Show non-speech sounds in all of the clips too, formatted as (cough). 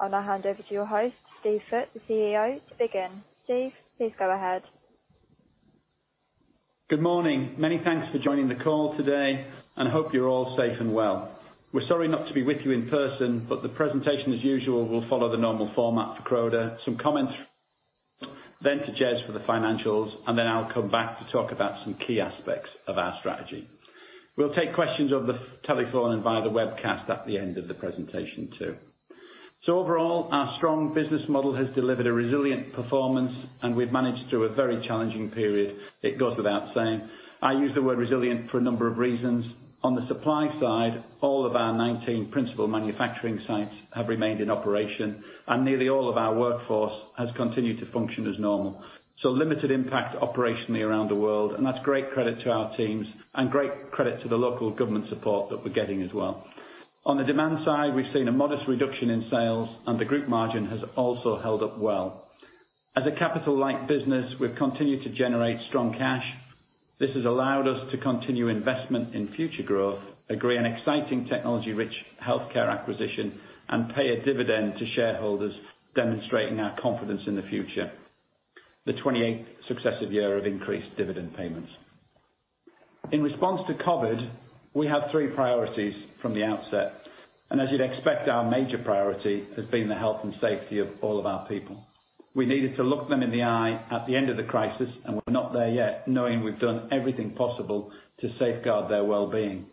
I'll now hand over to your host, Steve Foots, the CEO, to begin. Steve, please go ahead. Good morning. Many thanks for joining the call today, and hope you're all safe and well. We're sorry not to be with you in person, but the presentation as usual will follow the normal format for Croda. Some comments, then to Jez for the financials, and then I'll come back to talk about some key aspects of our strategy. We'll take questions over the telephone and via the webcast at the end of the presentation too. Overall, our strong business model has delivered a resilient performance, and we've managed through a very challenging period, it goes without saying. I use the word resilient for a number of reasons. On the supply side, all of our 19 principal manufacturing sites have remained in operation and nearly all of our workforce has continued to function as normal. Limited impact operationally around the world. That's great credit to our teams and great credit to the local government support that we're getting as well. On the demand side, we've seen a modest reduction in sales. The group margin has also held up well. As a capital-light business, we've continued to generate strong cash. This has allowed us to continue investment in future growth, agree on exciting technology-rich healthcare acquisition, and pay a dividend to shareholders demonstrating our confidence in the future. The 28th successive year of increased dividend payments. In response to COVID, we had three priorities from the outset. As you'd expect, our major priority has been the health and safety of all of our people. We needed to look them in the eye at the end of the crisis. We're not there yet, knowing we've done everything possible to safeguard their well-being.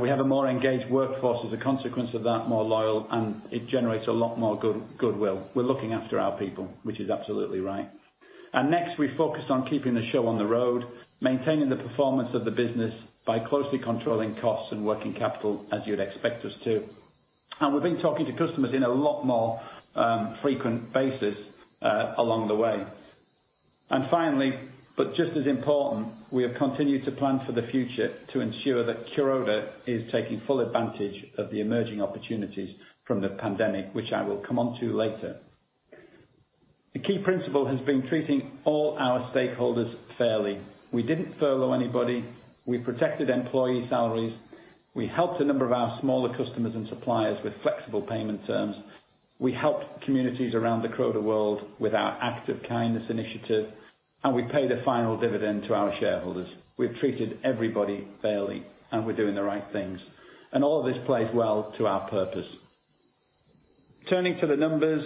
We have a more engaged workforce as a consequence of that, more loyal, and it generates a lot more goodwill. We're looking after our people, which is absolutely right. Next, we focused on keeping the show on the road, maintaining the performance of the business by closely controlling costs and working capital as you'd expect us to. We've been talking to customers in a lot more frequent basis along the way. Finally, but just as important, we have continued to plan for the future to ensure that Croda is taking full advantage of the emerging opportunities from the pandemic, which I will come on to later. The key principle has been treating all our stakeholders fairly. We didn't follow anybody. We protected employee salaries. We helped a number of our smaller customers and suppliers with flexible payment terms. We helped communities around the Croda world with our Act of Kindness initiative, and we paid a final dividend to our shareholders. We've treated everybody fairly, and we're doing the right things. All of this plays well to our purpose. Turning to the numbers,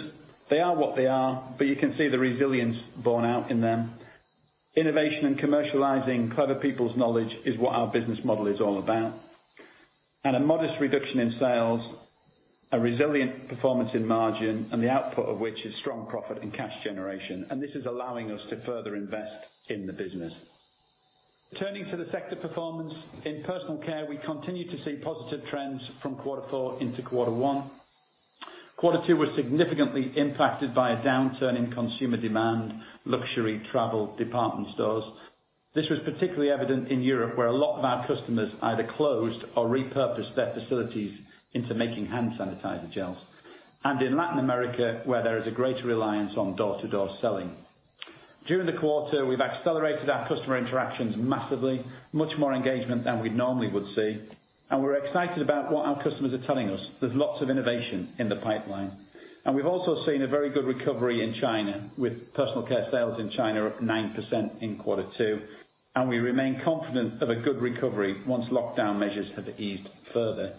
they are what they are, but you can see the resilience borne out in them. Innovation and commercializing clever people's knowledge is what our business model is all about. Had a modest reduction in sales, a resilient performance in margin, and the output of which is strong profit and cash generation. This is allowing us to further invest in the business. Turning to the sector performance, in personal care, we continue to see positive trends from quarter four into quarter one. Quarter two was significantly impacted by a downturn in consumer demand, luxury travel, department stores. This was particularly evident in Europe, where a lot of our customers either closed or repurposed their facilities into making hand sanitizer gels. In Latin America, where there is a greater reliance on door-to-door selling. During the quarter, we've accelerated our customer interactions massively, much more engagement than we normally would see, and we're excited about what our customers are telling us. There's lots of innovation in the pipeline. We've also seen a very good recovery in China with personal care sales in China up 9% in quarter two, and we remain confident of a good recovery once lockdown measures have eased further.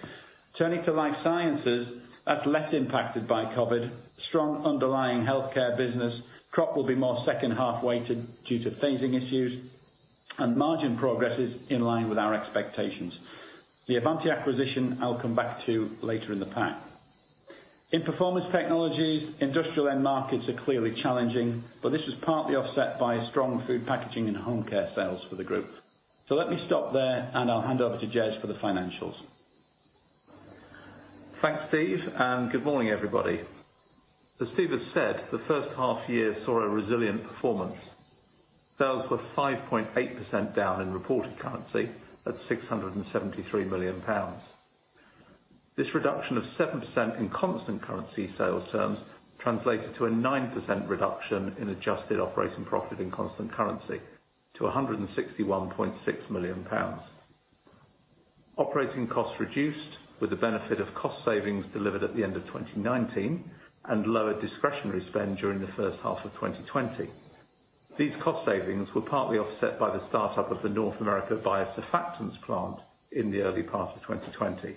Turning to Life Sciences, that's less impacted by COVID-19. Strong underlying healthcare business. Crop will be more second half weighted due to phasing issues and margin progress is in line with our expectations. The Avanti acquisition I'll come back to later in the pack. In Performance Technologies, industrial end markets are clearly challenging, but this was partly offset by strong food packaging and home care sales for the group. Let me stop there and I’ll hand over to Jez for the financials. Thanks, Steve, good morning, everybody. As Steve has said, the first half year saw a resilient performance. Sales were 5.8% down in reported currency at 673 million pounds. This reduction of 7% in constant currency sales terms translated to a 9% reduction in adjusted operating profit in constant currency to 161.6 million pounds. Operating costs reduced with the benefit of cost savings delivered at the end of 2019 and lower discretionary spend during the first half of 2020. These cost savings were partly offset by the start-up of the North America biosurfactants plant in the early part of 2020.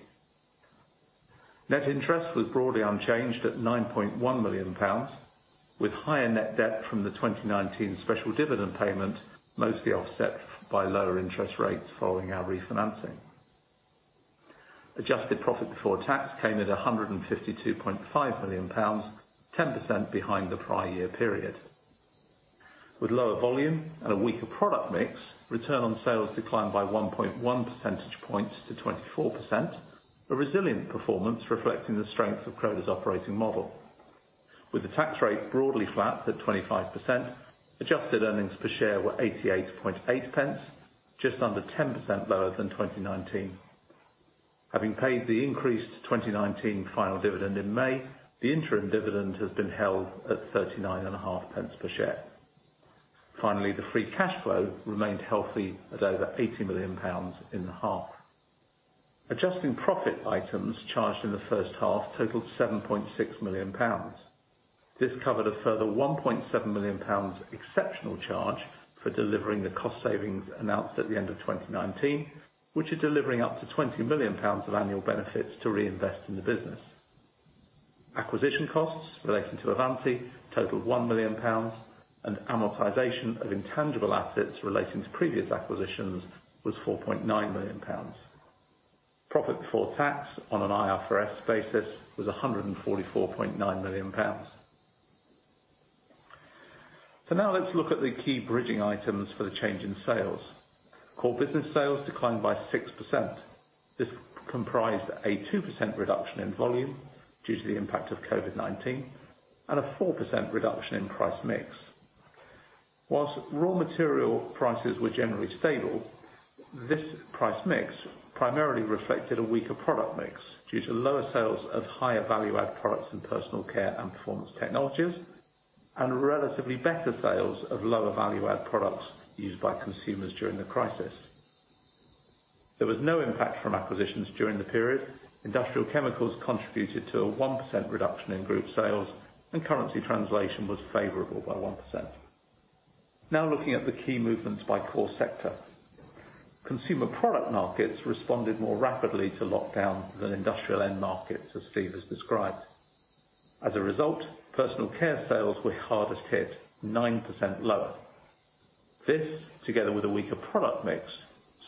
Net interest was broadly unchanged at 9.1 million pounds, with higher net debt from the 2019 special dividend payment, mostly offset by lower interest rates following our refinancing. Adjusted profit before tax came in at 152.5 million pounds, 10% behind the prior year period. With lower volume and a weaker product mix, return on sales declined by 1.1 percentage points to 24%, a resilient performance reflecting the strength of Croda's operating model. With the tax rate broadly flat at 25%, adjusted earnings per share were 0.888, just under 10% lower than 2019. Having paid the increased 2019 final dividend in May, the interim dividend has been held at 0.395 per share. Finally, the free cash flow remained healthy at over 80 million pounds in the half. Adjusting profit items charged in the first half totaled 7.6 million pounds. This covered a further 1.7 million pounds exceptional charge for delivering the cost savings announced at the end of 2019, which are delivering up to 20 million pounds of annual benefits to reinvest in the business. Acquisition costs relating to Avanti totaled 1 million pounds, and amortization of intangible assets relating to previous acquisitions was 4.9 million pounds. Profit before tax on an IFRS basis was 144.9 million pounds. Now let's look at the key bridging items for the change in sales. Core business sales declined by 6%. This comprised a 2% reduction in volume due to the impact of COVID-19, and a 4% reduction in price mix. Whilst raw material prices were generally stable, this price mix primarily reflected a weaker product mix due to lower sales of higher value-add products in personal care and performance technologies, and relatively better sales of lower value-add products used by consumers during the crisis. There was no impact from acquisitions during the period. Industrial chemicals contributed to a 1% reduction in group sales, and currency translation was favorable by 1%. Now looking at the key movements by core sector. Consumer product markets responded more rapidly to lockdown than industrial end markets, as Steve has described. As a result, Personal Care sales were hardest hit, 9% lower. This, together with a weaker product mix,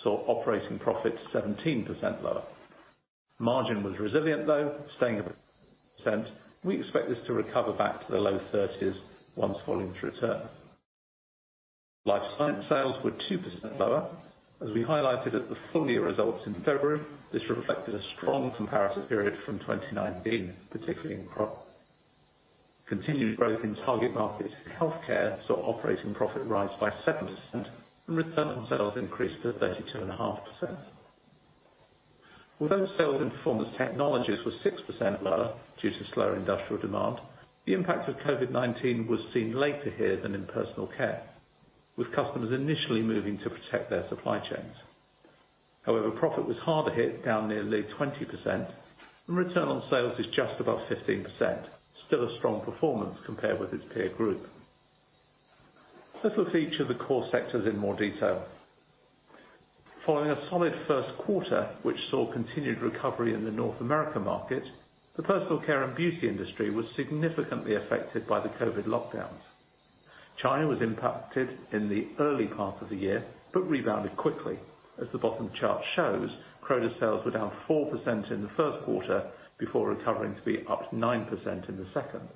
saw operating profit 17% lower. Margin was resilient, though, staying above 30%. We expect this to recover back to the low 30s once volumes return. Life Sciences sales were 2% lower. As we highlighted at the full year results in February, this reflected a strong comparison period from 2019, particularly in Croda. Continued growth in target markets in Healthcare saw operating profit rise by 7% and return on sales increased to 32.5%. Although sales in Performance Technologies were 6% lower due to slower industrial demand, the impact of COVID-19 was seen later here than in Personal Care, with customers initially moving to protect their supply chains. However, profit was harder hit, down nearly 20%, and return on sales is just above 15%, still a strong performance compared with its peer group. Let's look at each of the core sectors in more detail. Following a solid first quarter, which saw continued recovery in the North America market, the personal care and beauty industry was significantly affected by the COVID-19 lockdowns. China was impacted in the early part of the year, but rebounded quickly. As the bottom chart shows, Croda sales were down 4% in the first quarter before recovering to be up 9% in the second.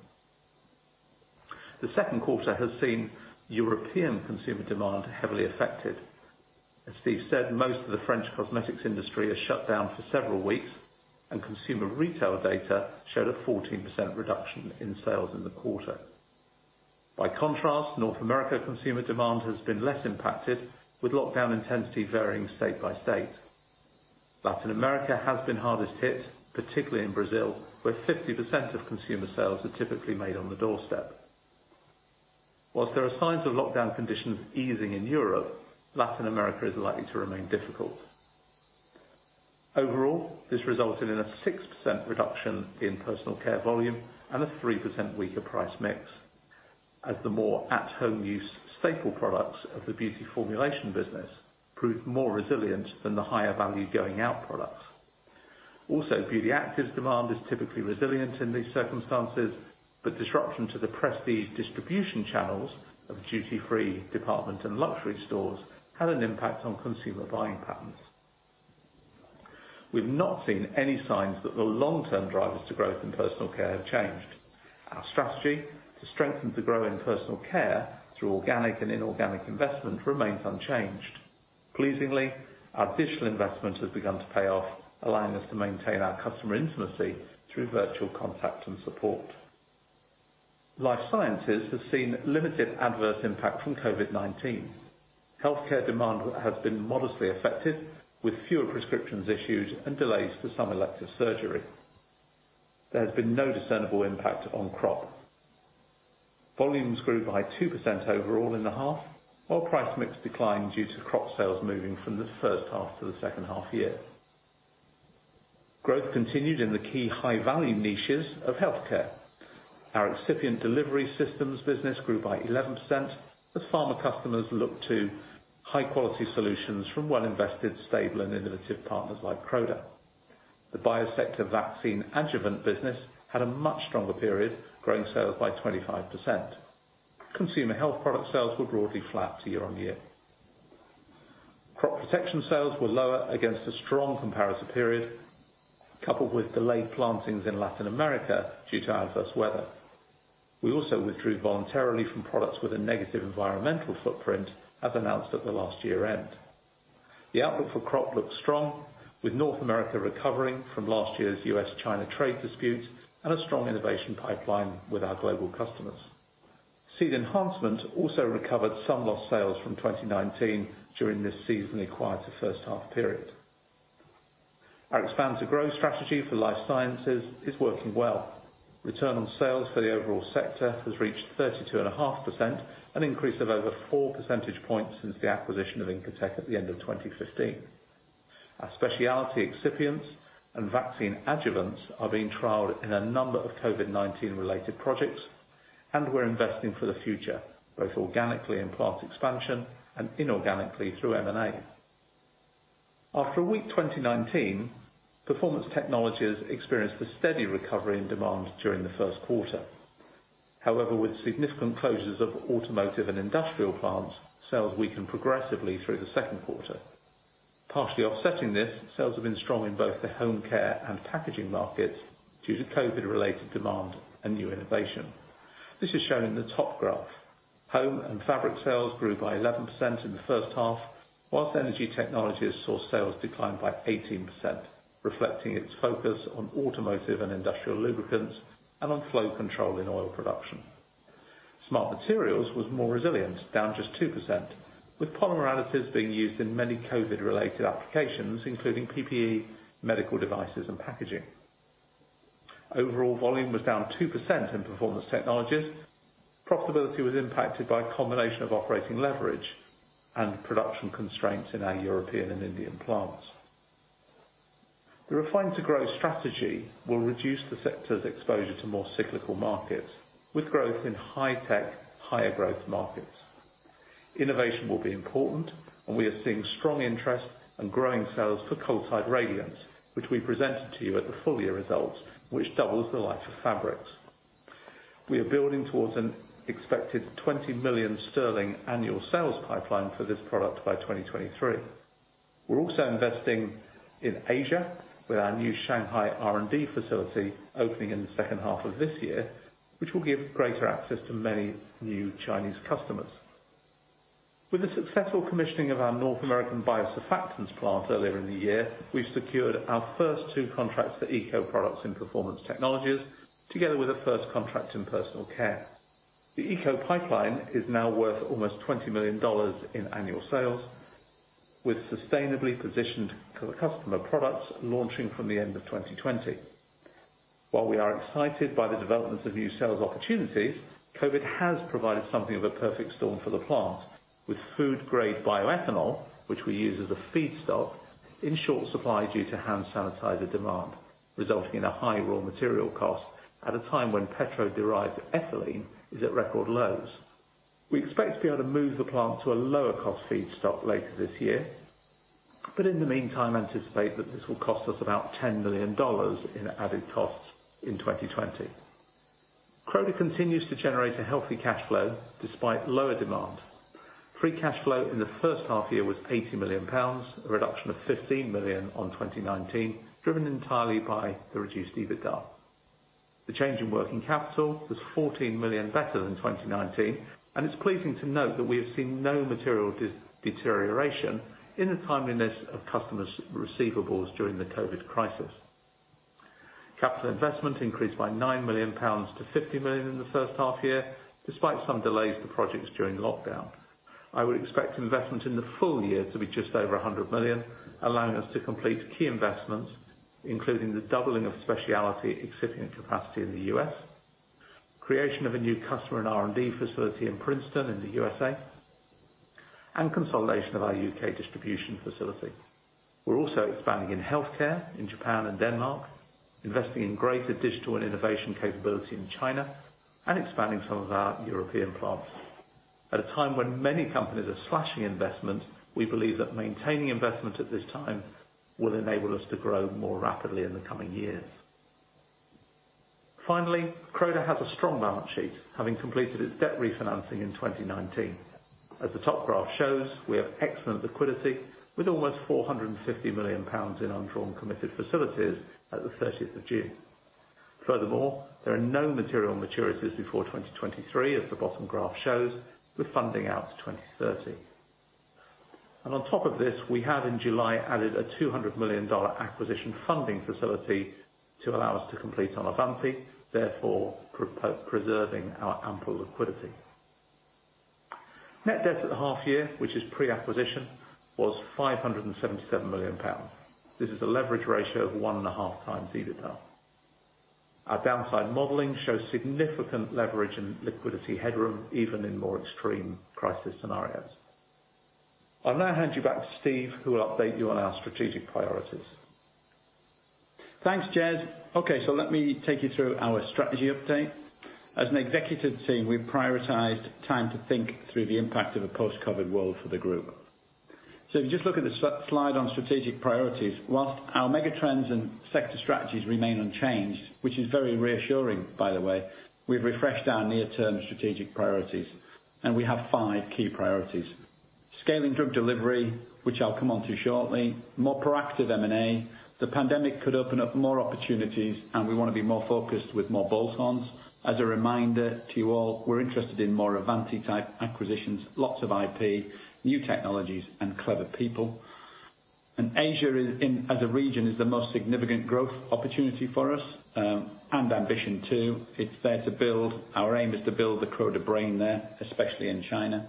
The second quarter has seen European consumer demand heavily affected. As Steve said, most of the French cosmetics industry has shut down for several weeks, and consumer retail data showed a 14% reduction in sales in the quarter. By contrast, North America consumer demand has been less impacted, with lockdown intensity varying state by state. Latin America has been hardest hit, particularly in Brazil, where 50% of consumer sales are typically made on the doorstep. Whilst there are signs of lockdown conditions easing in Europe, Latin America is likely to remain difficult. Overall, this resulted in a 6% reduction in personal care volume and a 3% weaker price mix as the more at-home use staple products of the beauty formulation business proved more resilient than the higher value going out products. Also, beauty actives demand is typically resilient in these circumstances, but disruption to the prestige distribution channels of duty free, department and luxury stores had an impact on consumer buying patterns. We've not seen any signs that the long-term drivers to growth in personal care have changed. Our strategy to strengthen the growing personal care through organic and inorganic investment remains unchanged. Pleasingly, our digital investment has begun to pay off, allowing us to maintain our customer intimacy through virtual contact and support. Life Sciences has seen limited adverse impact from COVID-19. Healthcare demand has been modestly affected, with fewer prescriptions issued and delays to some elective surgery. There has been no discernible impact on Crop. Volumes grew by 2% overall in the half, while price mix declined due to Crop sales moving from the first half to the second half year. Growth continued in the key high value niches of healthcare. Our excipient delivery systems business grew by 11% as pharma customers looked to high quality solutions from well-invested, stable, and innovative partners like Croda. The Biosector vaccine adjuvant business had a much stronger period, growing sales by 25%. Consumer health product sales were broadly flat year-over-year. Crop protection sales were lower against a strong comparison period, coupled with delayed plantings in Latin America due to adverse weather. We also withdrew voluntarily from products with a negative environmental footprint as announced at the last year-end. The output for crop looks strong, with North America recovering from last year's US-China trade dispute and a strong innovation pipeline with our global customers. Seed enhancement also recovered some lost sales from 2019 during this seasonally quieter first half period. Our Expand to Grow strategy for Life Sciences is working well. Return on sales for the overall sector has reached 32.5%, an increase of over four percentage points since the acquisition of Incotec at the end of 2015. Our specialty excipients and vaccine adjuvants are being trialed in a number of COVID-19 related projects, and we're investing for the future, both organically in plant expansion and inorganically through M&A. After a weak 2019, Performance Technologies experienced a steady recovery in demand during the first quarter. However, with significant closures of automotive and industrial plants, sales weakened progressively through the second quarter. Partially offsetting this, sales have been strong in both the home care and packaging markets due to COVID-related demand and new innovation. This is shown in the top graph. Home and fabric sales grew by 11% in the first half, while Energy Technologies saw sales decline by 18%, reflecting its focus on automotive and industrial lubricants and on flow control in oil production. Smart Materials was more resilient, down just 2%, with polymer additives being used in many COVID-related applications, including PPE, medical devices, and packaging. Overall volume was down 2% in Performance Technologies. Profitability was impacted by a combination of operating leverage and production constraints in our European and Indian plants. The Refine to Grow strategy will reduce the sector's exposure to more cyclical markets with growth in high-tech, higher growth markets. Innovation will be important, and we are seeing strong interest and growing sales for Coltide Radiance, which we presented to you at the full year results, which doubles the life of fabrics. We are building towards an expected 20 million sterling annual sales pipeline for this product by 2023. We are also investing in Asia with our new Shanghai R&D facility opening in the second half of this year, which will give greater access to many new Chinese customers. With the successful commissioning of our North American biosurfactants plant earlier in the year, we have secured our first two contracts for eco products in Performance Technologies, together with a first contract in Personal Care. The eco pipeline is now worth almost $20 million in annual sales, with sustainably positioned customer products launching from the end of 2020. While we are excited by the development of new sales opportunities, COVID has provided something of a perfect storm for the plant with food-grade bioethanol, which we use as a feedstock, in short supply due to hand sanitizer demand, resulting in a high raw material cost at a time when petro-derived ethylene is at record lows. In the meantime, anticipate that this will cost us about $10 million in added costs in 2020. Croda continues to generate a healthy cash flow despite lower demand. Free cash flow in the first half year was 80 million pounds, a reduction of 15 million on 2019, driven entirely by the reduced EBITDA. The change in working capital was 14 million better than 2019, and it's pleasing to note that we have seen no material deterioration in the timeliness of customers' receivables during the COVID-19 crisis. Capital investment increased by 9 million pounds to 50 million in the first half year, despite some delays to projects during lockdown. I would expect investment in the full year to be just over 100 million, allowing us to complete key investments, including the doubling of specialty excipient capacity in the U.S., creation of a new customer and R&D facility in Princeton in the U.S.A., and consolidation of our U.K. distribution facility. We're also expanding in healthcare in Japan and Denmark, investing in greater digital and innovation capability in China, and expanding some of our European plants. At a time when many companies are slashing investment, we believe that maintaining investment at this time will enable us to grow more rapidly in the coming years. Finally, Croda has a strong balance sheet, having completed its debt refinancing in 2019. As the top graph shows, we have excellent liquidity with almost 450 million pounds in undrawn committed facilities as of 30th of June. Furthermore, there are no material maturities before 2023, as the bottom graph shows, with funding out to 2030. On top of this, we have in July added a $200 million acquisition funding facility to allow us to complete on Avanti, therefore preserving our ample liquidity. Net debt at the half year, which is pre-acquisition, was 577 million pounds. This is a leverage ratio of one and a half times EBITDA. Our downside modeling shows significant leverage and liquidity headroom even in more extreme crisis scenarios. I'll now hand you back to Steve, who will update you on our strategic priorities. Thanks, Jez. Okay, let me take you through our strategy update. As an executive team, we've prioritized time to think through the impact of a post-COVID world for the group. If you just look at the slide on strategic priorities, whilst our mega trends and sector strategies remain unchanged, which is very reassuring by the way, we've refreshed our near-term strategic priorities. We have five key priorities. Scaling drug delivery, which I'll come onto shortly. More proactive M&A. The pandemic could open up more opportunities. We want to be more focused with more bolt-on. As a reminder to you all, we're interested in more Avanti type acquisitions, lots of IP, new technologies, and clever people. Asia as a region is the most significant growth opportunity for us and ambition too. It's there to build. Our aim is to build the Croda brain there, especially in China.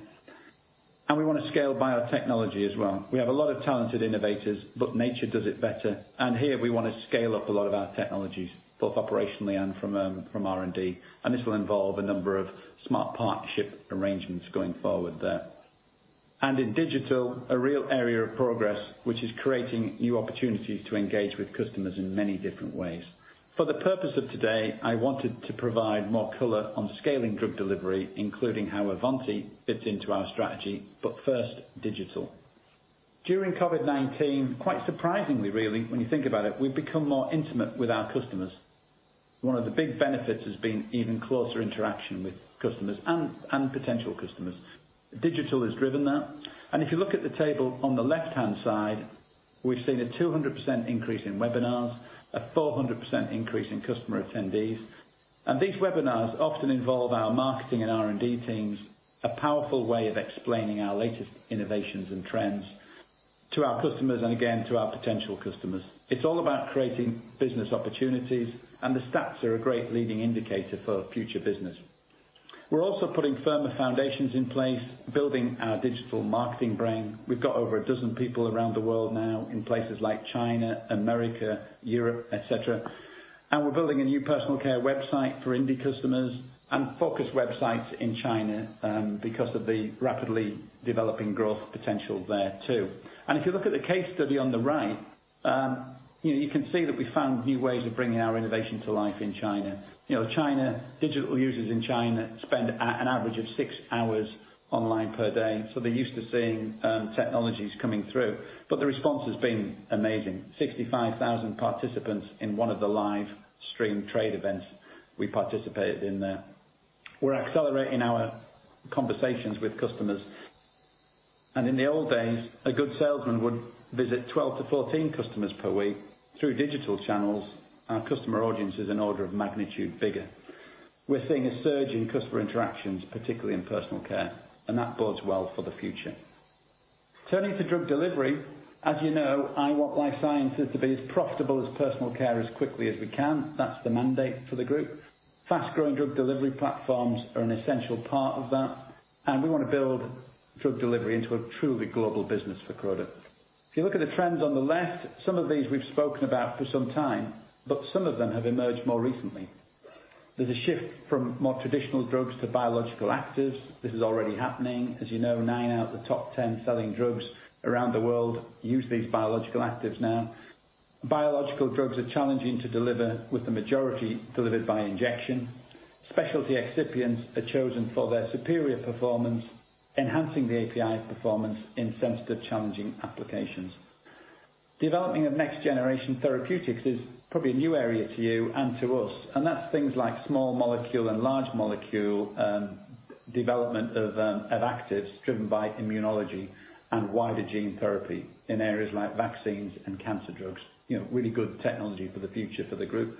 We want to scale biotechnology as well. We have a lot of talented innovators, nature does it better. Here we want to scale up a lot of our technologies, both operationally and from R&D. This will involve a number of smart partnership arrangements going forward there. In digital, a real area of progress, which is creating new opportunities to engage with customers in many different ways. For the purpose of today, I wanted to provide more color on scaling drug delivery, including how Avanti fits into our strategy, but first, digital. During COVID-19, quite surprisingly, really, when you think about it, we've become more intimate with our customers. One of the big benefits has been even closer interaction with customers and potential customers. Digital has driven that. If you look at the table on the left-hand side, we've seen a 200% increase in webinars, a 400% increase in customer attendees. These webinars often involve our marketing and R&D teams, a powerful way of explaining our latest innovations and trends to our customers, and again, to our potential customers. It's all about creating business opportunities, and the stats are a great leading indicator for future business. We're also putting firmer foundations in place, building our digital marketing brain. We've got over 12 people around the world now in places like China, America, Europe, et cetera. We're building a new personal care website for indie customers and focus websites in China because of the rapidly developing growth potential there, too. If you look at the case study on the right, you can see that we found new ways of bringing our innovation to life in China. Digital users in China spend an average of six hours online per day, they're used to seeing technologies coming through, the response has been amazing. 65,000 participants in one of the live streamed trade events we participated in there. We're accelerating our conversations with customers, in the old days, a good salesman would visit 12-14 customers per week. Through digital channels, our customer audience is an order of magnitude bigger. We're seeing a surge in customer interactions, particularly in Personal Care, that bodes well for the future. Turning to drug delivery, as you know, I want Life Sciences to be as profitable as Personal Care as quickly as we can. That's the mandate for the group. Fast-growing drug delivery platforms are an essential part of that, and we want to build drug delivery into a truly global business for Croda. If you look at the trends on the left, some of these we've spoken about for some time, but some of them have emerged more recently. There's a shift from more traditional drugs to biological actives. This is already happening. As you know, nine out of the top 10 selling drugs around the world use these biological actives now. Biological drugs are challenging to deliver, with the majority delivered by injection. Specialty excipients are chosen for their superior performance, enhancing the API's performance in sensitive, challenging applications. Developing of next generation therapeutics is probably a new area to you and to us, and that's things like small molecule and large molecule development of actives driven by immunology and wider gene therapy in areas like vaccines and cancer drugs. Really good technology for the future for the group.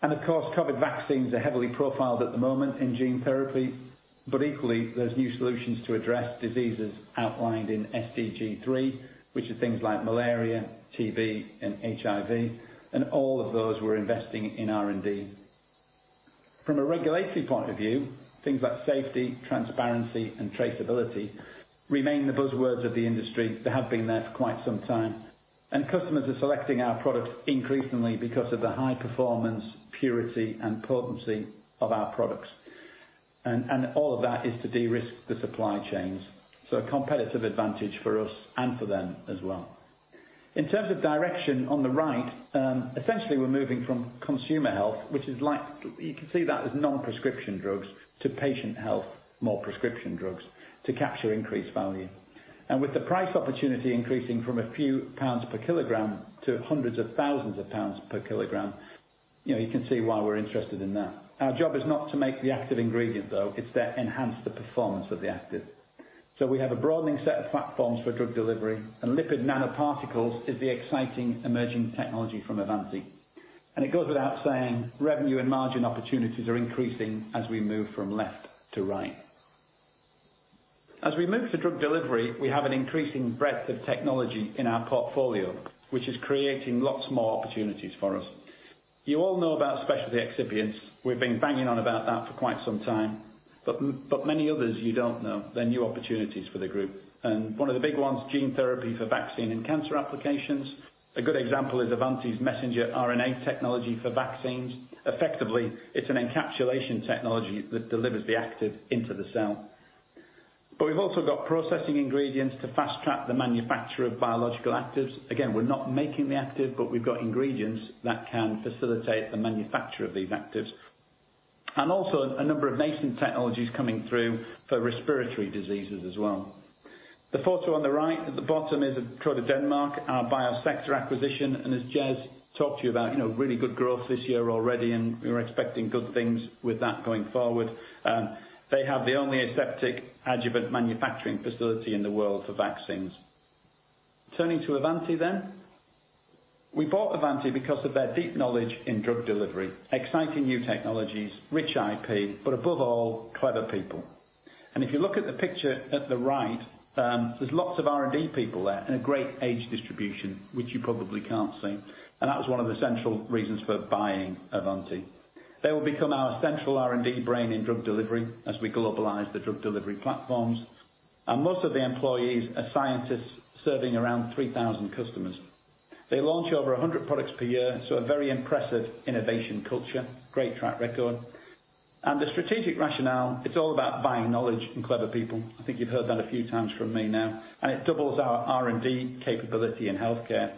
Of course, COVID vaccines are heavily profiled at the moment in gene therapy, but equally, there's new solutions to address diseases outlined in SDG 3, which are things like malaria, TB, and HIV, and all of those we're investing in R&D. From a regulatory point of view, things like safety, transparency, and traceability remain the buzzwords of the industry. They have been there for quite some time. Customers are selecting our products increasingly because of the high performance, purity, and potency of our products. All of that is to de-risk the supply chains. A competitive advantage for us and for them as well. In terms of direction, on the right, essentially we're moving from consumer health, you can see that as non-prescription drugs, to patient health, more prescription drugs, to capture increased value. With the price opportunity increasing from a few Pounds per kilogram to hundreds of thousands of Pounds per kilogram, you can see why we're interested in that. Our job is not to make the active ingredient, though. It's to enhance the performance of the active. We have a broadening set of platforms for drug delivery, and lipid nanoparticles is the exciting emerging technology from Avanti. It goes without saying, revenue and margin opportunities are increasing as we move from left to right. As we move to drug delivery, we have an increasing breadth of technology in our portfolio, which is creating lots more opportunities for us. You all know about specialty excipients. We've been banging on about that for quite some time, but many others you don't know. They're new opportunities for the group. One of the big ones, gene therapy for vaccine and cancer applications. A good example is Avanti's messenger RNA technology for vaccines. Effectively, it's an encapsulation technology that delivers the active into the cell. We've also got processing ingredients to fast track the manufacture of biological actives. Again, we're not making the active, but we've got ingredients that can facilitate the manufacture of these actives. Also, a number of nascent technologies coming through for respiratory diseases as well. The photo on the right at the bottom is of Croda Denmark, our Biosector acquisition. As Jez talked to you about, really good growth this year already, and we're expecting good things with that going forward. They have the only aseptic adjuvant manufacturing facility in the world for vaccines. Turning to Avanti. We bought Avanti because of their deep knowledge in drug delivery, exciting new technologies, rich IP, but above all, clever people. If you look at the picture at the right, there's lots of R&D people there and a great age distribution, which you probably can't see. That was one of the central reasons for buying Avanti. They will become our central R&D brain in drug delivery as we globalize the drug delivery platforms. Most of the employees are scientists serving around 3,000 customers. They launch over 100 products per year, so a very impressive innovation culture, great track record. The strategic rationale, it's all about buying knowledge and clever people. I think you've heard that a few times from me now. It doubles our R&D capability in healthcare.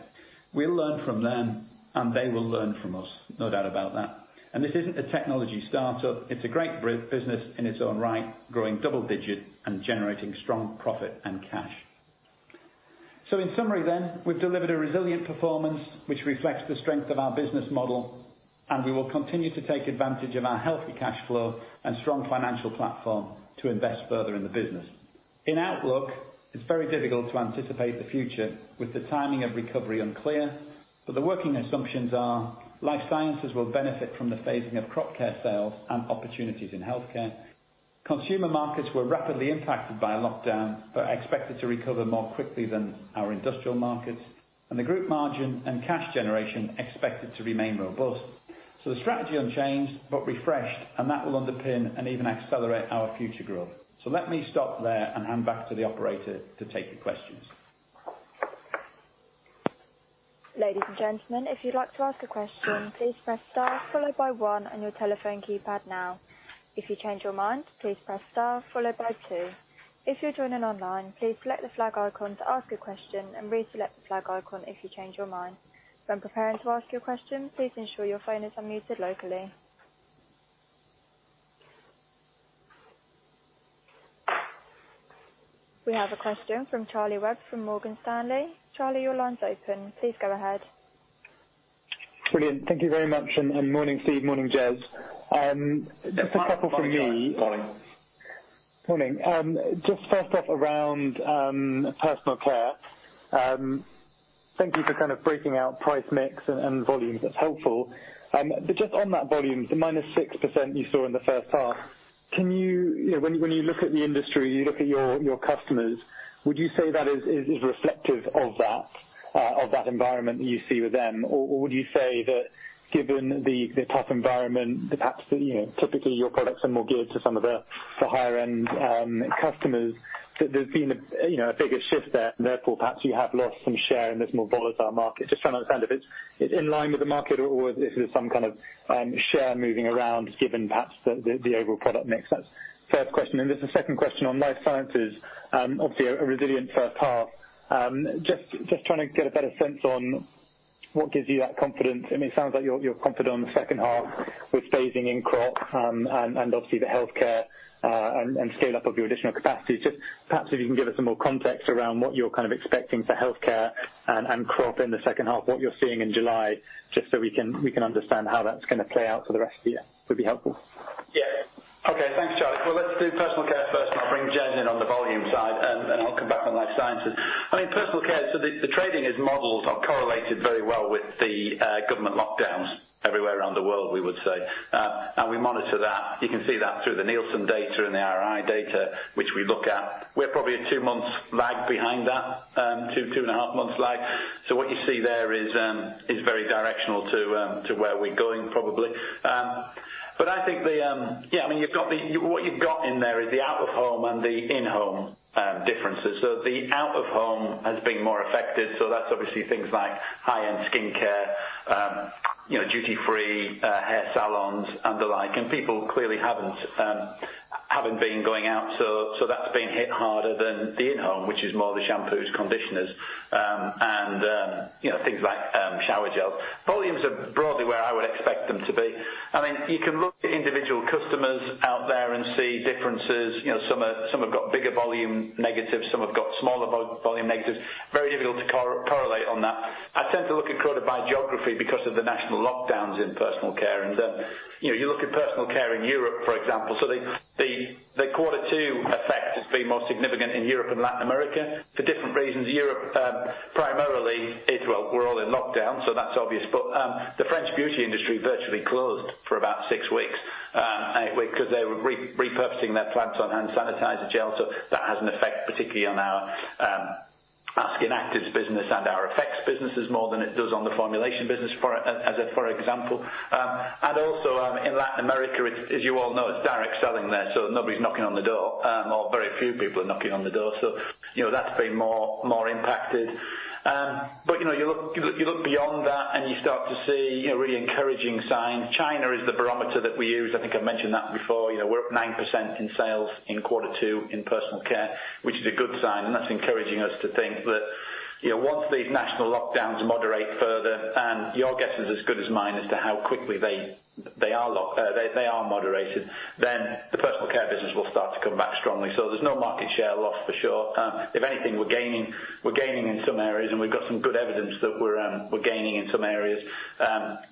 We'll learn from them, and they will learn from us, no doubt about that. This isn't a technology startup. It's a great business in its own right, growing double-digit and generating strong profit and cash. In summary, we've delivered a resilient performance, which reflects the strength of our business model, and we will continue to take advantage of our healthy cash flow and strong financial platform to invest further in the business. In outlook, it's very difficult to anticipate the future with the timing of recovery unclear. The working assumptions are Life Sciences will benefit from the phasing of Crop Care sales and opportunities in healthcare. Consumer markets were rapidly impacted by lockdown, but are expected to recover more quickly than our industrial markets. The group margin and cash generation expected to remain robust. The strategy unchanged but refreshed, and that will underpin and even accelerate our future growth. Let me stop there and hand back to the operator to take your questions. Ladies and gentlemen, if you'd like to ask a question, please press star followed by one on your telephone keypad now. If you change your mind, please press star followed by two. If you're joining online, please select the flag icon to ask a question and reselect the flag icon if you change your mind. When preparing to ask your question, please ensure your phone is unmuted locally. We have a question from Charlie Webb from Morgan Stanley. Charlie, your line's open. Please go ahead. Brilliant. Thank you very much. Morning, Steve. Morning, Jez. Just a couple from me. Morning. Morning. Just first off around personal care. Thank you for kind of breaking out price mix and volumes. That's helpful. Just on that volume, the -6% you saw in the first half, when you look at the industry, you look at your customers, would you say that is reflective of that environment that you see with them? Would you say that given the tough environment, perhaps, typically your products are more geared to some of the higher-end customers, there's been a bigger shift there and therefore perhaps you have lost some share in this more volatile market. Just trying to understand if it's in line with the market or if there's some kind of share moving around given perhaps the overall product mix. That's the first question. There's a second question on life sciences. Obviously, a resilient first half. Just trying to get a better sense on what gives you that confidence. I mean, it sounds like you're confident on the second half with phasing in Crop and obviously the Healthcare and scale-up of your additional capacity. Just perhaps if you can give us some more context around what you're kind of expecting for Healthcare and Crop in the second half, what you're seeing in July, just so we can understand how that's going to play out for the rest of the year would be helpful. Okay. Thanks, Charlie. Well, let's do personal care first, I'll bring Jez in on the volume side, I'll come back on Life Sciences. Personal care, the trading is modeled or correlated very well with the government lockdowns everywhere around the world, we would say. We monitor that. You can see that through the Nielsen data and the IRI data, which we look at. We're probably a two months lag behind that, two and a half months lag. What you see there is very directional to where we're going, probably. I think what you've got in there is the out-of-home and the in-home differences. The out-of-home has been more affected, that's obviously things like high-end skincare, duty-free hair salons and the like. People clearly haven't been going out, so that's been hit harder than the in-home, which is more the shampoos, conditioners, and things like shower gel. Volumes are broadly where I would expect them to be. You can look at individual customers out there and see differences. Some have got bigger volume negatives, some have got smaller volume negatives. Very difficult to correlate on that. I tend to look at Croda by geography because of the national lockdowns in personal care. You look at personal care in Europe, for example. The quarter two effect has been more significant in Europe and Latin America for different reasons. Europe primarily is, well, we're all in lockdown, so that's obvious. The French beauty industry virtually closed for about six weeks because they were repurposing their plants on hand sanitizer gel. That has an effect, particularly on our skin actives business and our effects businesses more than it does on the formulation business, for example. Also in Latin America, as you all know, it's direct selling there, so nobody's knocking on the door, or very few people are knocking on the door. That's been more impacted. You look beyond that and you start to see really encouraging signs. China is the barometer that we use. I think I've mentioned that before. We're up 9% in sales in quarter two in personal care, which is a good sign. That's encouraging us to think that once these national lockdowns moderate further, and your guess is as good as mine as to how quickly they are moderated, then the personal care business will start to come back strongly. There's no market share loss for sure. If anything, we're gaining in some areas, and we've got some good evidence that we're gaining in some areas,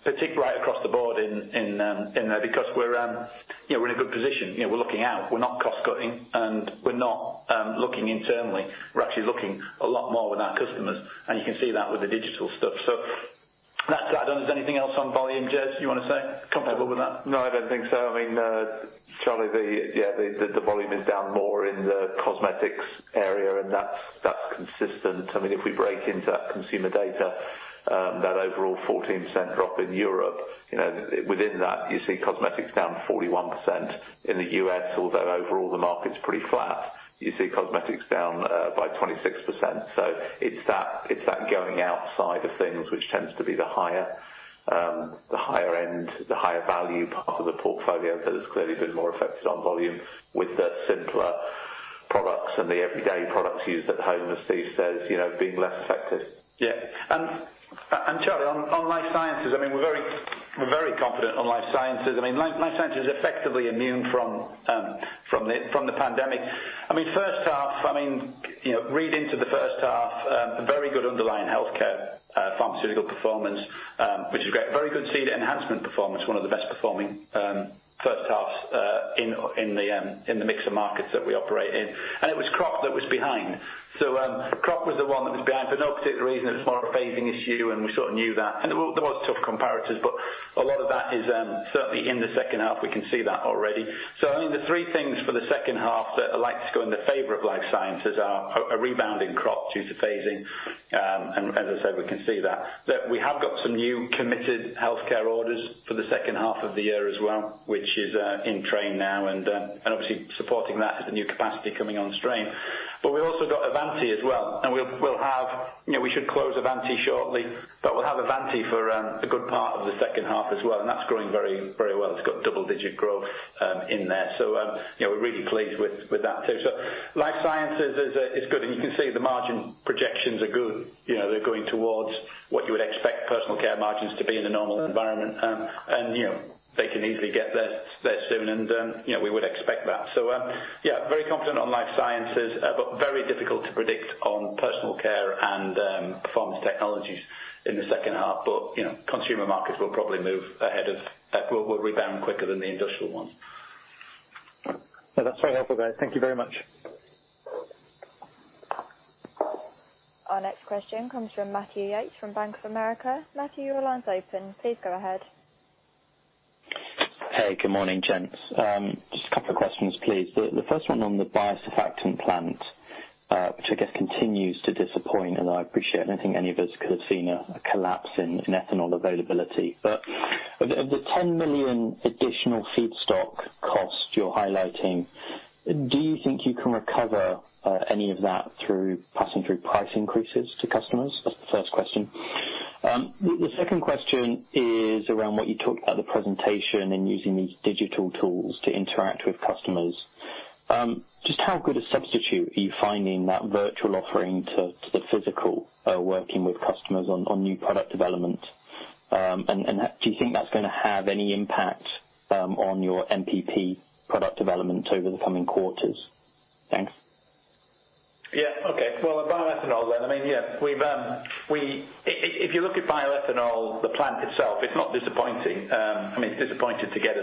particularly right across the board in there because we're in a good position. We're looking out. We're not cost-cutting, and we're not looking internally. We're actually looking a lot more with our customers, and you can see that with the digital stuff. I don't know if there's anything else on volume, Jez, you want to say comparable with that? No, I don't think so. Charlie, yeah, the volume is down more in the cosmetics area, and that's consistent. If we break into that consumer data. That overall 14% drop in Europe, within that, you see cosmetics down 41%. In the U.S., although overall the market's pretty flat, you see cosmetics down by 26%. It's that going outside of things which tends to be the higher end, the higher value part of the portfolio that has clearly been more affected on volume with the simpler products and the everyday products used at home, as Steve says, being less affected. Charlie, on life sciences, we're very confident on life sciences. Life sciences is effectively immune from the pandemic. First half, read into the first half, a very good underlying healthcare pharmaceutical performance, which is great. Very good seed enhancement performance, one of the best performing first halves in the mix of markets that we operate in. It was crop that was behind. Crop was the one that was behind for no particular reason. It was more a phasing issue, and we sort of knew that. There was tough comparators, but a lot of that is certainly in the second half. We can see that already. Only the three things for the second half that are likely to go in the favor of life sciences are a rebound in crop due to phasing, and as I said, we can see that. We have got some new committed healthcare orders for the second half of the year as well, which is in train now and obviously supporting that is the new capacity coming on stream. We've also got Avanti as well. We should close Avanti shortly. We'll have Avanti for a good part of the second half as well, and that's growing very well. It's got double-digit growth in there. We're really pleased with that too. Life Sciences is good. You can see the margin projections are good. They're going towards what you would expect Personal Care margins to be in a normal environment. They can easily get there soon. We would expect that. Yeah, very confident on Life Sciences, very difficult to predict on Personal Care and Performance Technologies in the second half. Consumer markets will probably rebound quicker than the industrial ones. No, that's very helpful, guys. Thank you very much. Our next question comes from Matthew Yates from Bank of America. Matthew, your line's open. Please go ahead. Hey, good morning, gents. Just a couple of questions, please. The first one on the biosurfactant plant, which I guess continues to disappoint, and I appreciate I don't think any of us could have seen a collapse in ethanol availability of the $10 million additional feedstock cost you're highlighting, do you think you can recover any of that through passing through price increases to customers? That's the first question. The second question is around what you talked about in the presentation and using these digital tools to interact with customers. Just how good a substitute are you finding that virtual offering to the physical working with customers on new product development? Do you think that's going to have any impact on your NPP product development over the coming quarters? Thanks. Yeah. Okay. Well, bioethanol. You look at bioethanol, the plant itself, it's not disappointing. It's disappointing to get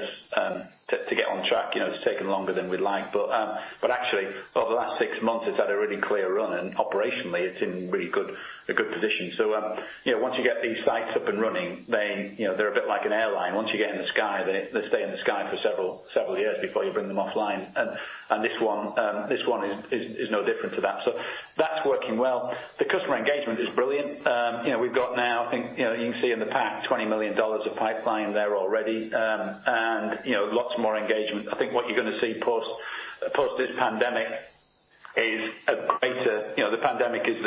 on track. It's taken longer than we'd like. Actually, over the last six months, it's had a really clear run and operationally, it's in really a good position. Once you get these sites up and running, they're a bit like an airline. Once you get in the sky, they stay in the sky for several years before you bring them offline. This one is no different to that. That's working well. The customer engagement is brilliant. We've got now, I think you can see in the pack $20 million of pipeline there already, and lots more engagement. I think what you're going to see post this pandemic is the pandemic is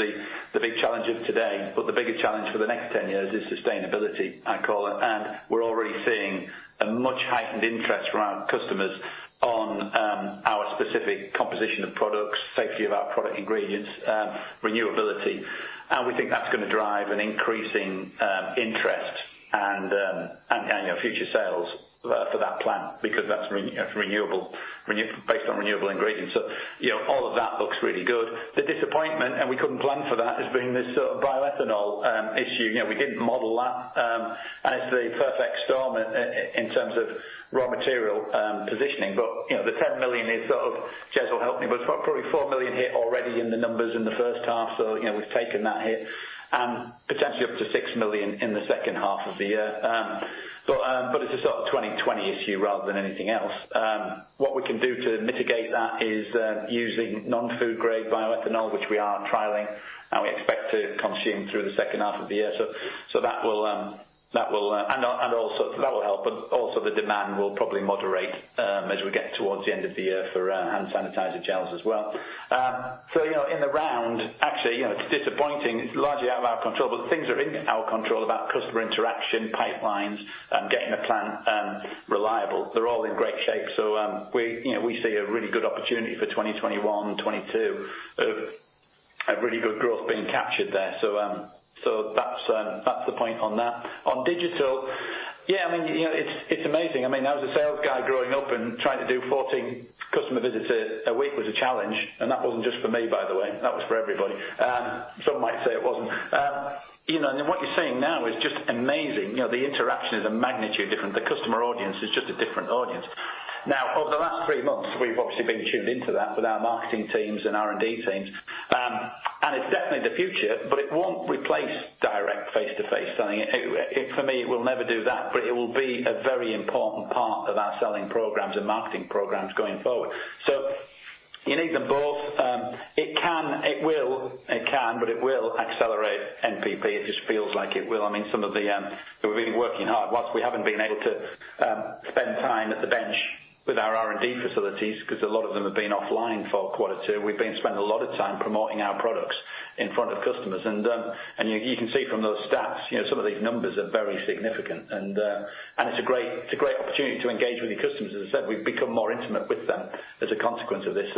the big challenge of today, but the bigger challenge for the next 10 years is sustainability, I call it, and we're already seeing a much heightened interest from our customers on our specific composition of products, safety of our product ingredients, renewability. We think that's going to drive an increasing interest and future sales for that plant because that's based on renewable ingredients. All of that looks really good. The disappointment, and we couldn't plan for that, has been this bioethanol issue. We didn't model that, and it's the perfect storm in terms of raw material positioning. The $10 million is sort of, Jez will help me, but it's probably $4 million hit already in the numbers in the first half, so we've taken that hit, and potentially up to $6 million in the second half of the year. It's a sort of 2020 issue rather than anything else. What we can do to mitigate that is using non-food grade bioethanol, which we are trialing, and we expect to consume through the second half of the year. That will help, but also the demand will probably moderate as we get towards the end of the year for hand sanitizer gels as well. In the round, actually, it's disappointing. It's largely out of our control, but the things that are in our control about customer interaction, pipelines, getting the plant reliable, they're all in great shape. We see a really good opportunity for 2021 and 2022 of a really good growth being captured there. That's the point on that. On digital, yeah, it's amazing. I was a sales guy growing up, and trying to do 14 customer visits a week was a challenge, and that wasn't just for me, by the way. That was for everybody. Some might say it wasn't. What you're seeing now is just amazing. The interaction is a magnitude different. The customer audience is just a different audience. Now, over the last three months, we've obviously been tuned into that with our marketing teams and R&D teams. It's definitely the future, but it won't replace direct face-to-face selling. For me, it will never do that, but it will be a very important part of our selling programs and marketing programs going forward. You need them both. It can, it will accelerate NPP. It just feels like it will. We've been working hard. Whilst we haven't been able to spend time at the bench with our R&D facilities, because a lot of them have been offline for quarter two, we've been spending a lot of time promoting our products in front of customers. You can see from those stats, some of these numbers are very significant. It's a great opportunity to engage with your customers. As I said, we've become more intimate with them as a consequence of this.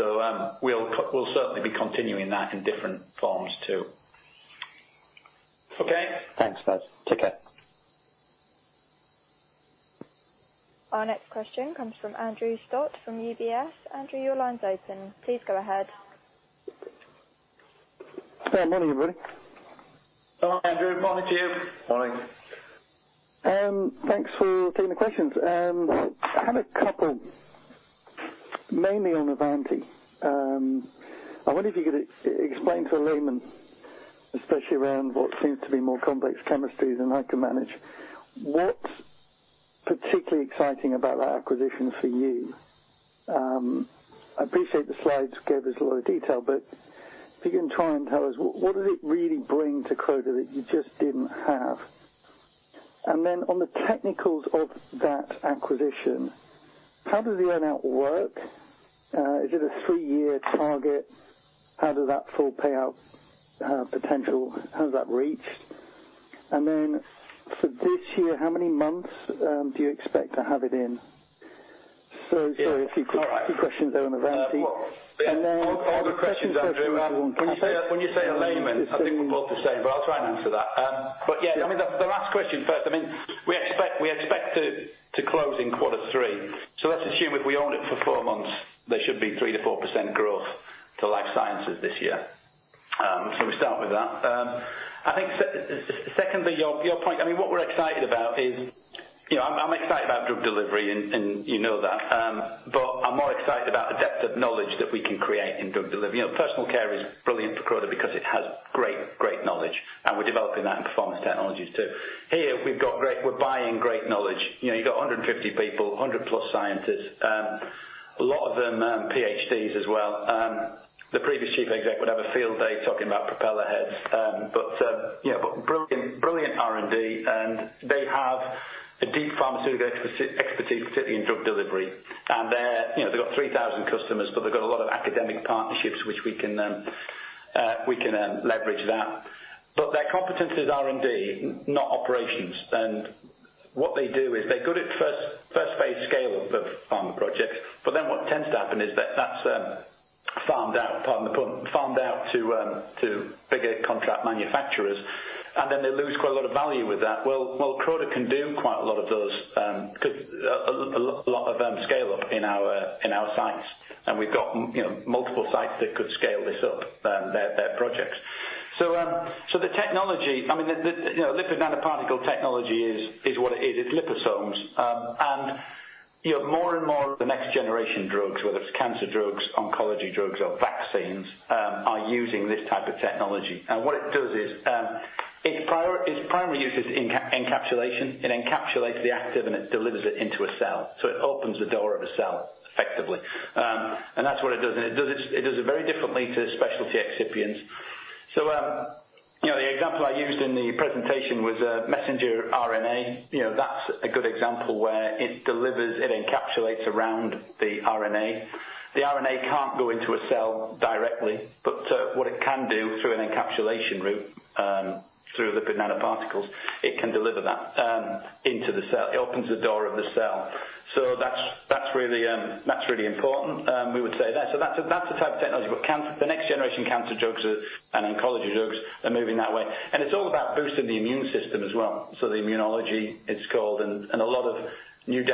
We'll certainly be continuing that in different forms, too. Okay. Thanks, guys. Take care. Our next question comes from Andrew Stott from UBS. Andrew, your line's open. Please go ahead. Good morning, everybody. Hi, Andrew, morning to you. Morning. Thanks for taking the questions. I had a couple, mainly on Avanti. I wonder if you could explain to a layman, especially around what seems to be more complex chemistries than I can manage, what's particularly exciting about that acquisition for you? If you can try and tell us, what does it really bring to Croda that you just didn't have? On the technicals of that acquisition, how does the earn-out work? Is it a three-year target? How is that full payout potential reached? For this year, how many months do you expect to have it in? Sorry, a few questions there on Avanti. (crosstalk) a layman, I think we're both the same, but I'll try and answer that. Yeah, the last question first. We expect to close in quarter three. Let's assume if we own it for four months, there should be 3%-4% growth to Life Sciences this year. We start with that. I think secondly, your point, what we're excited about is, I'm excited about drug delivery, and you know that. I'm more excited about the depth of knowledge that we can create in drug delivery. Personal care is brilliant for Croda because it has great knowledge, and we're developing that in Performance Technologies, too. Here, we're buying great knowledge. You've got 150 people, 100+ scientists. A lot of them PhDs as well. The previous chief exec would have a field day talking about propeller heads. Brilliant R&D, they have a deep pharmaceutical expertise, particularly in drug delivery. They've got 3,000 customers, but they've got a lot of academic partnerships which we can leverage that. Their competence is R&D, not operations. What they do is they're good at first-phase scale of pharma projects, but then what tends to happen is that that's farmed out, pardon the pun, farmed out to bigger contract manufacturers, and then they lose quite a lot of value with that. Well, Croda can do quite a lot of those, a lot of scale-up in our sites. We've got multiple sites that could scale this up, their projects. The technology, lipid nanoparticle technology is what it is. It's liposomes. More and more of the next-generation drugs, whether it's cancer drugs, oncology drugs, or vaccines, are using this type of technology. What it does is its primary use is encapsulation. It encapsulates the active and it delivers it into a cell. It opens the door of a cell, effectively. That's what it does. It does it very differently to specialty excipients. The example I used in the presentation was messenger RNA. That's a good example where it delivers, it encapsulates around the RNA. The RNA can't go into a cell directly, but what it can do through an encapsulation route, through lipid nanoparticles, it can deliver that into the cell. It opens the door of the cell. That's really important, we would say there. That's the type of technology. The next-generation cancer drugs and oncology drugs are moving that way. It's all about boosting the immune system as well. The immunology it's called, and a lot of new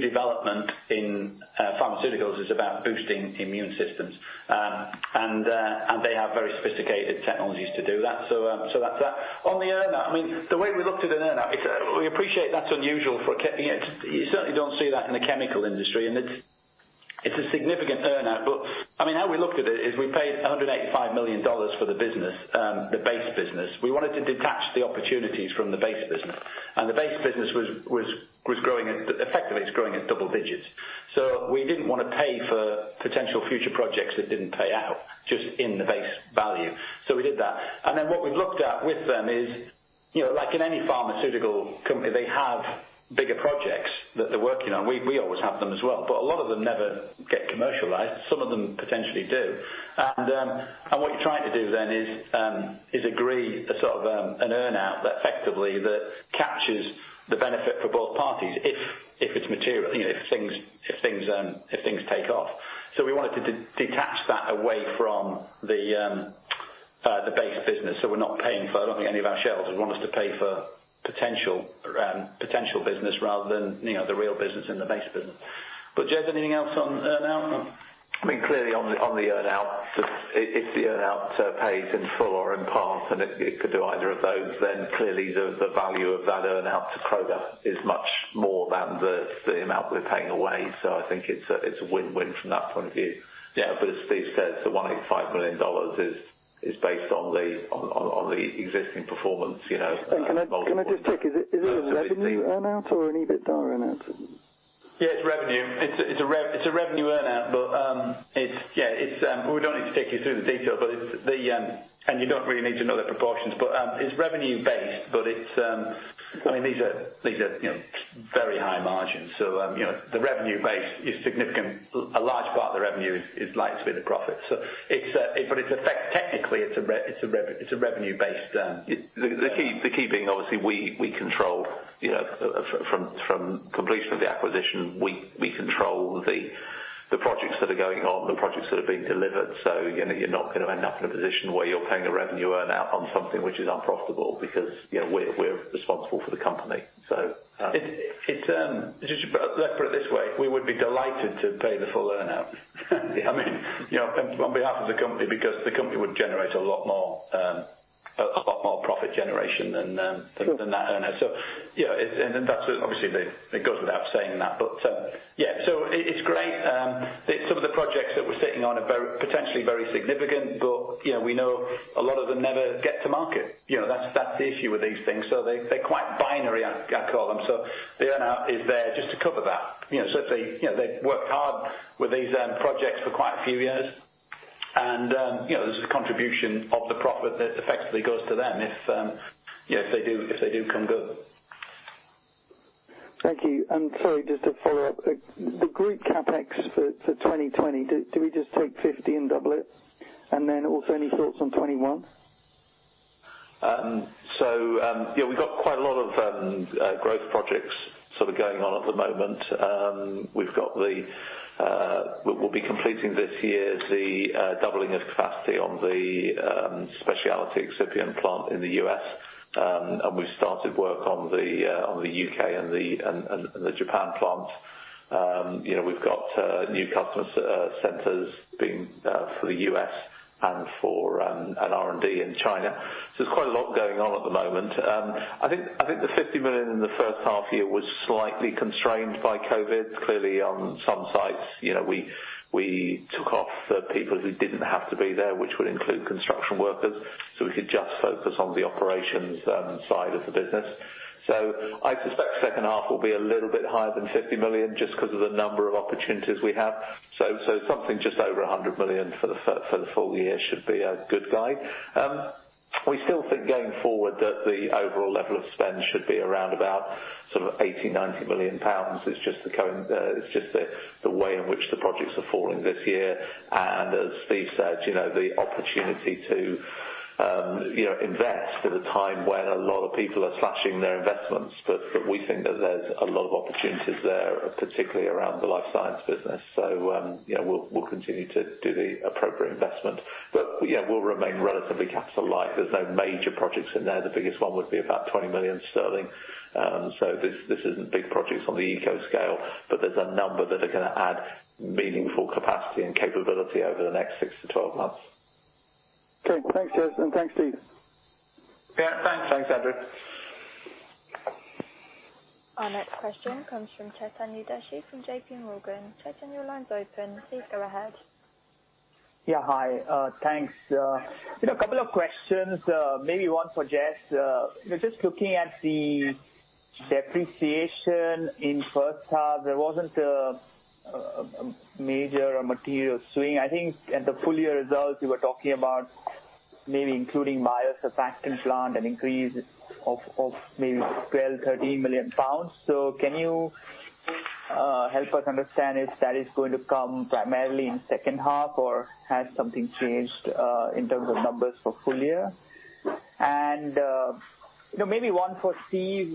development in pharmaceuticals is about boosting immune systems. They have very sophisticated technologies to do that. That's that. On the earn-out, the way we looked at an earn-out is we appreciate that's unusual. You certainly don't see that in the chemical industry, and it's a significant earn-out. How we looked at it is we paid $185 million for the business, the base business. We wanted to detach the opportunities from the base business. The base business was effectively, it's growing at double digits. We didn't want to pay for potential future projects that didn't pay out just in the base value. We did that. What we've looked at with them is, like in any pharmaceutical company, they have bigger projects that they're working on. We always have them as well, but a lot of them never get commercialized. Some of them potentially do. What you're trying to do then is agree a sort of an earn-out that effectively captures the benefit for both parties if it's material, if things take off. We wanted to detach that away from the base business. We're not paying for, I don't think any of our shareholders want us to pay for potential business rather than the real business and the base business. Jez, anything else on earn-out? Clearly on the earn-out, if the earn-out pays in full or in part, and it could do either of those, then clearly the value of that earn-out to Croda is much more than the amount we are paying away. I think it's a win-win from that point of view. As Steve said, the $185 million is based on the existing performance- Can I just check, is it a revenue earn-out or an EBITDA earn-out? Yeah, it's revenue. It's a revenue earn-out. We don't need to take you through the detail, and you don't really need to know the proportions, but it's revenue-based. These are very high margins, so the revenue base is significant. A large part of the revenue is likely to be the profit. Technically, it's a revenue-based. The key being, obviously, from completion of the acquisition, we control the projects that are going on, the projects that are being delivered. You're not going to end up in a position where you're paying a revenue earn-out on something which is unprofitable because we're responsible for the company. Let's put it this way, we would be delighted to pay the full earn-out on behalf of the company, because the company would generate a lot more profit generation than that earn-out. Obviously, it goes without saying that. Yeah, it's great. Some of the projects that we're sitting on are potentially very significant. We know a lot of them never get to market. That's the issue with these things. They're quite binary, I call them. The earn-out is there just to cover that. They've worked hard with these projects for quite a few years, and there's a contribution of the profit that effectively goes to them if they do come good. Thank you. Sorry, just to follow up. The group CapEx for 2020, do we just take 50 and double it? Also any thoughts on 2021? We've got quite a lot of growth projects going on at the moment. We'll be completing this year the doubling of capacity on the specialty excipient plant in the U.S., and we've started work on the U.K. and the Japan plant. We've got new customer centers for the U.S. and for R&D in China. There's quite a lot going on at the moment. I think the 50 million in the first half year was slightly constrained by COVID-19. Clearly on some sites, we took off people who didn't have to be there, which would include construction workers, so we could just focus on the operations side of the business. I suspect the second half will be a little bit higher than 50 million, just because of the number of opportunities we have. Something just over 100 million for the full year should be a good guide. We still think going forward that the overall level of spend should be around about 80 million, 90 million pounds. It's just the way in which the projects are falling this year. As Steve said, the opportunity to invest at a time when a lot of people are slashing their investments. We think that there's a lot of opportunities there, particularly around the life science business. We'll continue to do the appropriate investment. We'll remain relatively capital light. There's no major projects in there. The biggest one would be about 20 million sterling. This isn't big projects on the ECO Plant scale, but there's a number that are going to add meaningful capacity and capability over the next 6-12 months. Okay, thanks, Jez, and thanks, Steve. Yeah, thanks. Thanks, Andrew. Our next question comes from Chetan Udeshi from JPMorgan. Chetan, your line's open. Please go ahead. Yeah, hi. Thanks. A couple of questions, maybe one for Jez. Just looking at the depreciation in first half, there wasn't a major or material swing. I think at the full year results, you were talking about maybe including biosurfactant plant, an increase of maybe 12 million pounds, 13 million pounds. Can you help us understand if that is going to come primarily in second half or has something changed in terms of numbers for full year? Maybe one for Steve.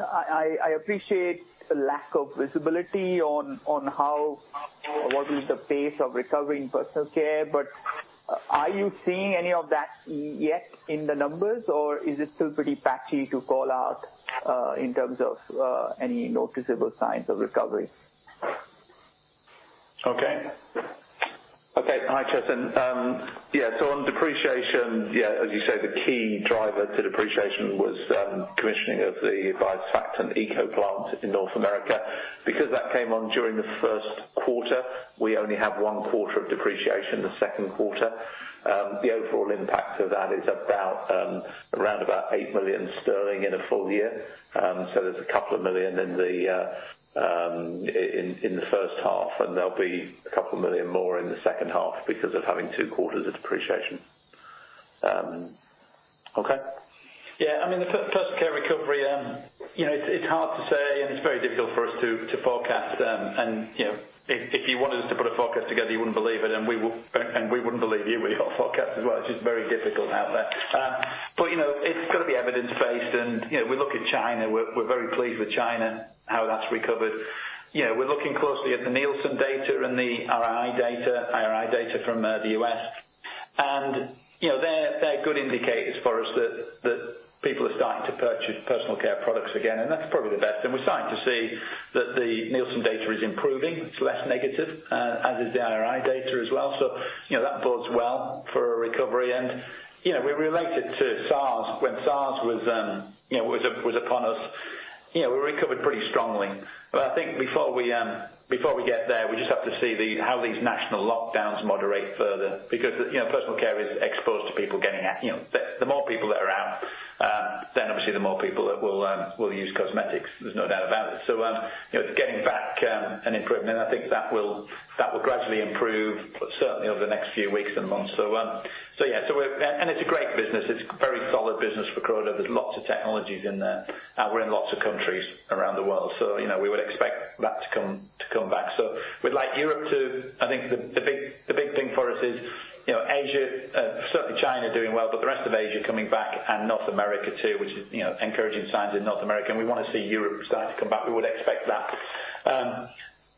I appreciate the lack of visibility on what is the pace of recovery in personal care, but are you seeing any of that yet in the numbers, or is it still pretty patchy to call out in terms of any noticeable signs of recovery? Okay. Hi, Chetan. On depreciation, as you say, the key driver to depreciation was commissioning of the biosurfactant ECO Plant in North America. Because that came on during the first quarter, we only have one quarter of depreciation in the second quarter. The overall impact of that is around about 8 million sterling in a full year. There's a couple of million in the first half, and there'll be a couple of million more in the second half because of having two quarters of depreciation. Okay. Yeah, the personal care recovery, it's hard to say. It's very difficult for us to forecast. If you wanted us to put a forecast together, you wouldn't believe it, and we wouldn't believe you with your forecast as well. It's just very difficult out there. It's got to be evidence-based. We look at China. We're very pleased with China, how that's recovered. We're looking closely at the Nielsen data and the IRI data from the U.S. They're good indicators for us that people are starting to purchase personal care products again, and that's probably the best. We're starting to see that the Nielsen data is improving. It's less negative, as is the IRI data as well. That bodes well for a recovery. We relate it to SARS. When SARS was upon us, we recovered pretty strongly. I think before we get there, we just have to see how these national lockdowns moderate further because personal care is exposed to people getting out. The more people that are out Obviously the more people that will use cosmetics, there's no doubt about it. Getting back an improvement, I think that will gradually improve, but certainly over the next few weeks and months. It's a great business. It's very solid business for Croda. There are lots of technologies in there. We're in lots of countries around the world, so we would expect that to come back. We'd like Europe. I think the big thing for us is Asia, certainly China doing well, but the rest of Asia coming back and North America too, which is encouraging signs in North America, and we want to see Europe starting to come back. We would expect that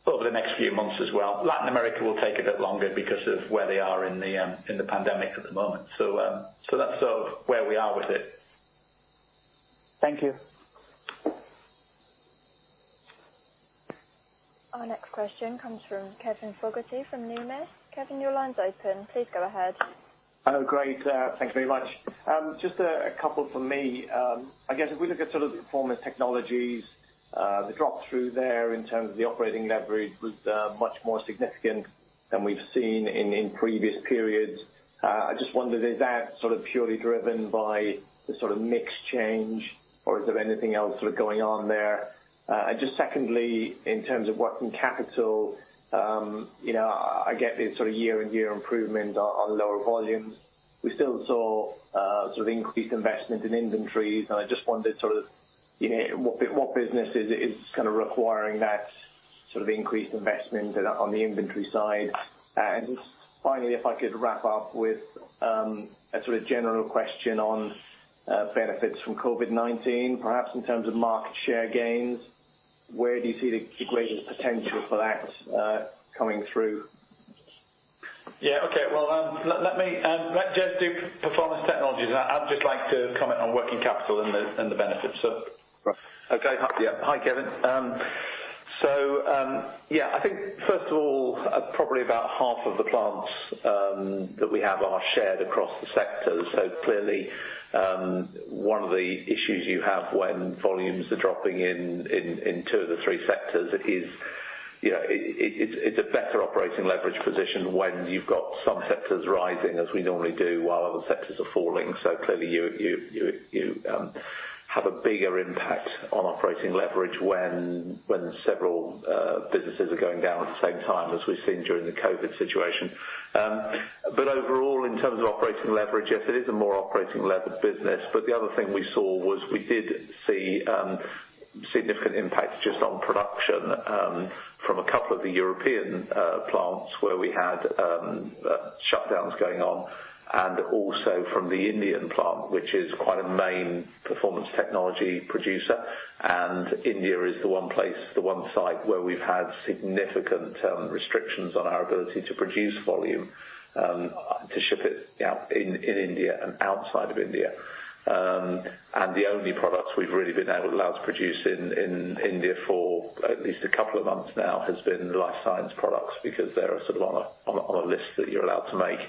over the next few months as well. Latin America will take a bit longer because of where they are in the pandemic at the moment. That's sort of where we are with it. Thank you. Our next question comes from Kevin Fogarty from Numis. Kevin, your line's open. Please go ahead. Great. Thanks very much. Just a couple from me. I guess if we look at sort of the Performance Technologies, the drop-through there in terms of the operating leverage was much more significant than we've seen in previous periods. I just wonder, is that sort of purely driven by the sort of mix change or is there anything else sort of going on there? Just secondly, in terms of working capital, I get the sort of year-on-year improvement on lower volumes. We still saw sort of increased investment in inventories, and I just wondered sort of what businesses is kind of requiring that sort of increased investment on the inventory side. Just finally, if I could wrap up with a sort of general question on benefits from COVID-19, perhaps in terms of market share gains, where do you see the greatest potential for that coming through? Yeah. Okay. Well, let Jez do Performance Technologies. I'd just like to comment on working capital and the benefits. Okay. Hi, Kevin. Yeah, I think first of all, probably about half of the plants that we have are shared across the sectors. Clearly, one of the issues you have when volumes are dropping in two of the three sectors is it's a better operating leverage position when you've got some sectors rising, as we normally do, while other sectors are falling. Clearly, you have a bigger impact on operating leverage when several businesses are going down at the same time, as we've seen during the COVID-19 situation. Overall, in terms of operating leverage, yes, it is a more operating levered business. The other thing we saw was we did see significant impact just on production from a couple of the European plants where we had shutdowns going on and also from the Indian plant, which is quite a main performance technology producer. India is the one place, the one site where we've had significant restrictions on our ability to produce volume to ship it in India and outside of India. The only products we've really been allowed to produce in India for at least a couple of months now has been the Life Sciences products because they are sort of on a list that you're allowed to make.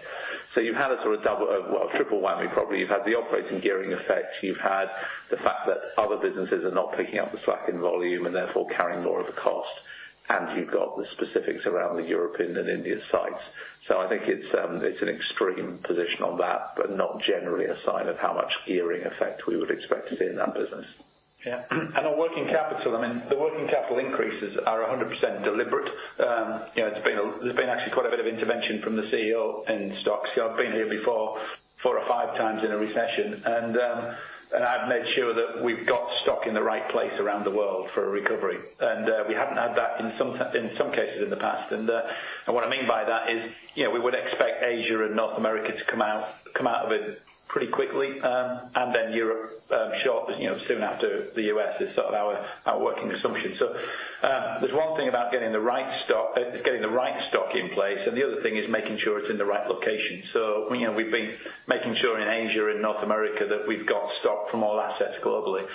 You had a sort of double, well, triple whammy, probably. You've had the operating gearing effect. You've had the fact that other businesses are not picking up the slack in volume and therefore carrying more of the cost. You've got the specifics around the European and India sites. I think it's an extreme position on that, but not generally a sign of how much gearing effect we would expect to see in that business. Yeah. On working capital, I mean, the working capital increases are 100% deliberate. There's been actually quite a bit of intervention from the CEO in stocks. I've been here before four or five times in a recession, and I've made sure that we've got stock in the right place around the world for a recovery. We haven't had that in some cases in the past. What I mean by that is we would expect Asia and North America to come out of it pretty quickly, and then Europe shortly, soon after the U.S. is sort of our working assumption. There's one thing about getting the right stock in place, and the other thing is making sure it's in the right location. We've been making sure in Asia and North America that we've got stock from all assets globally,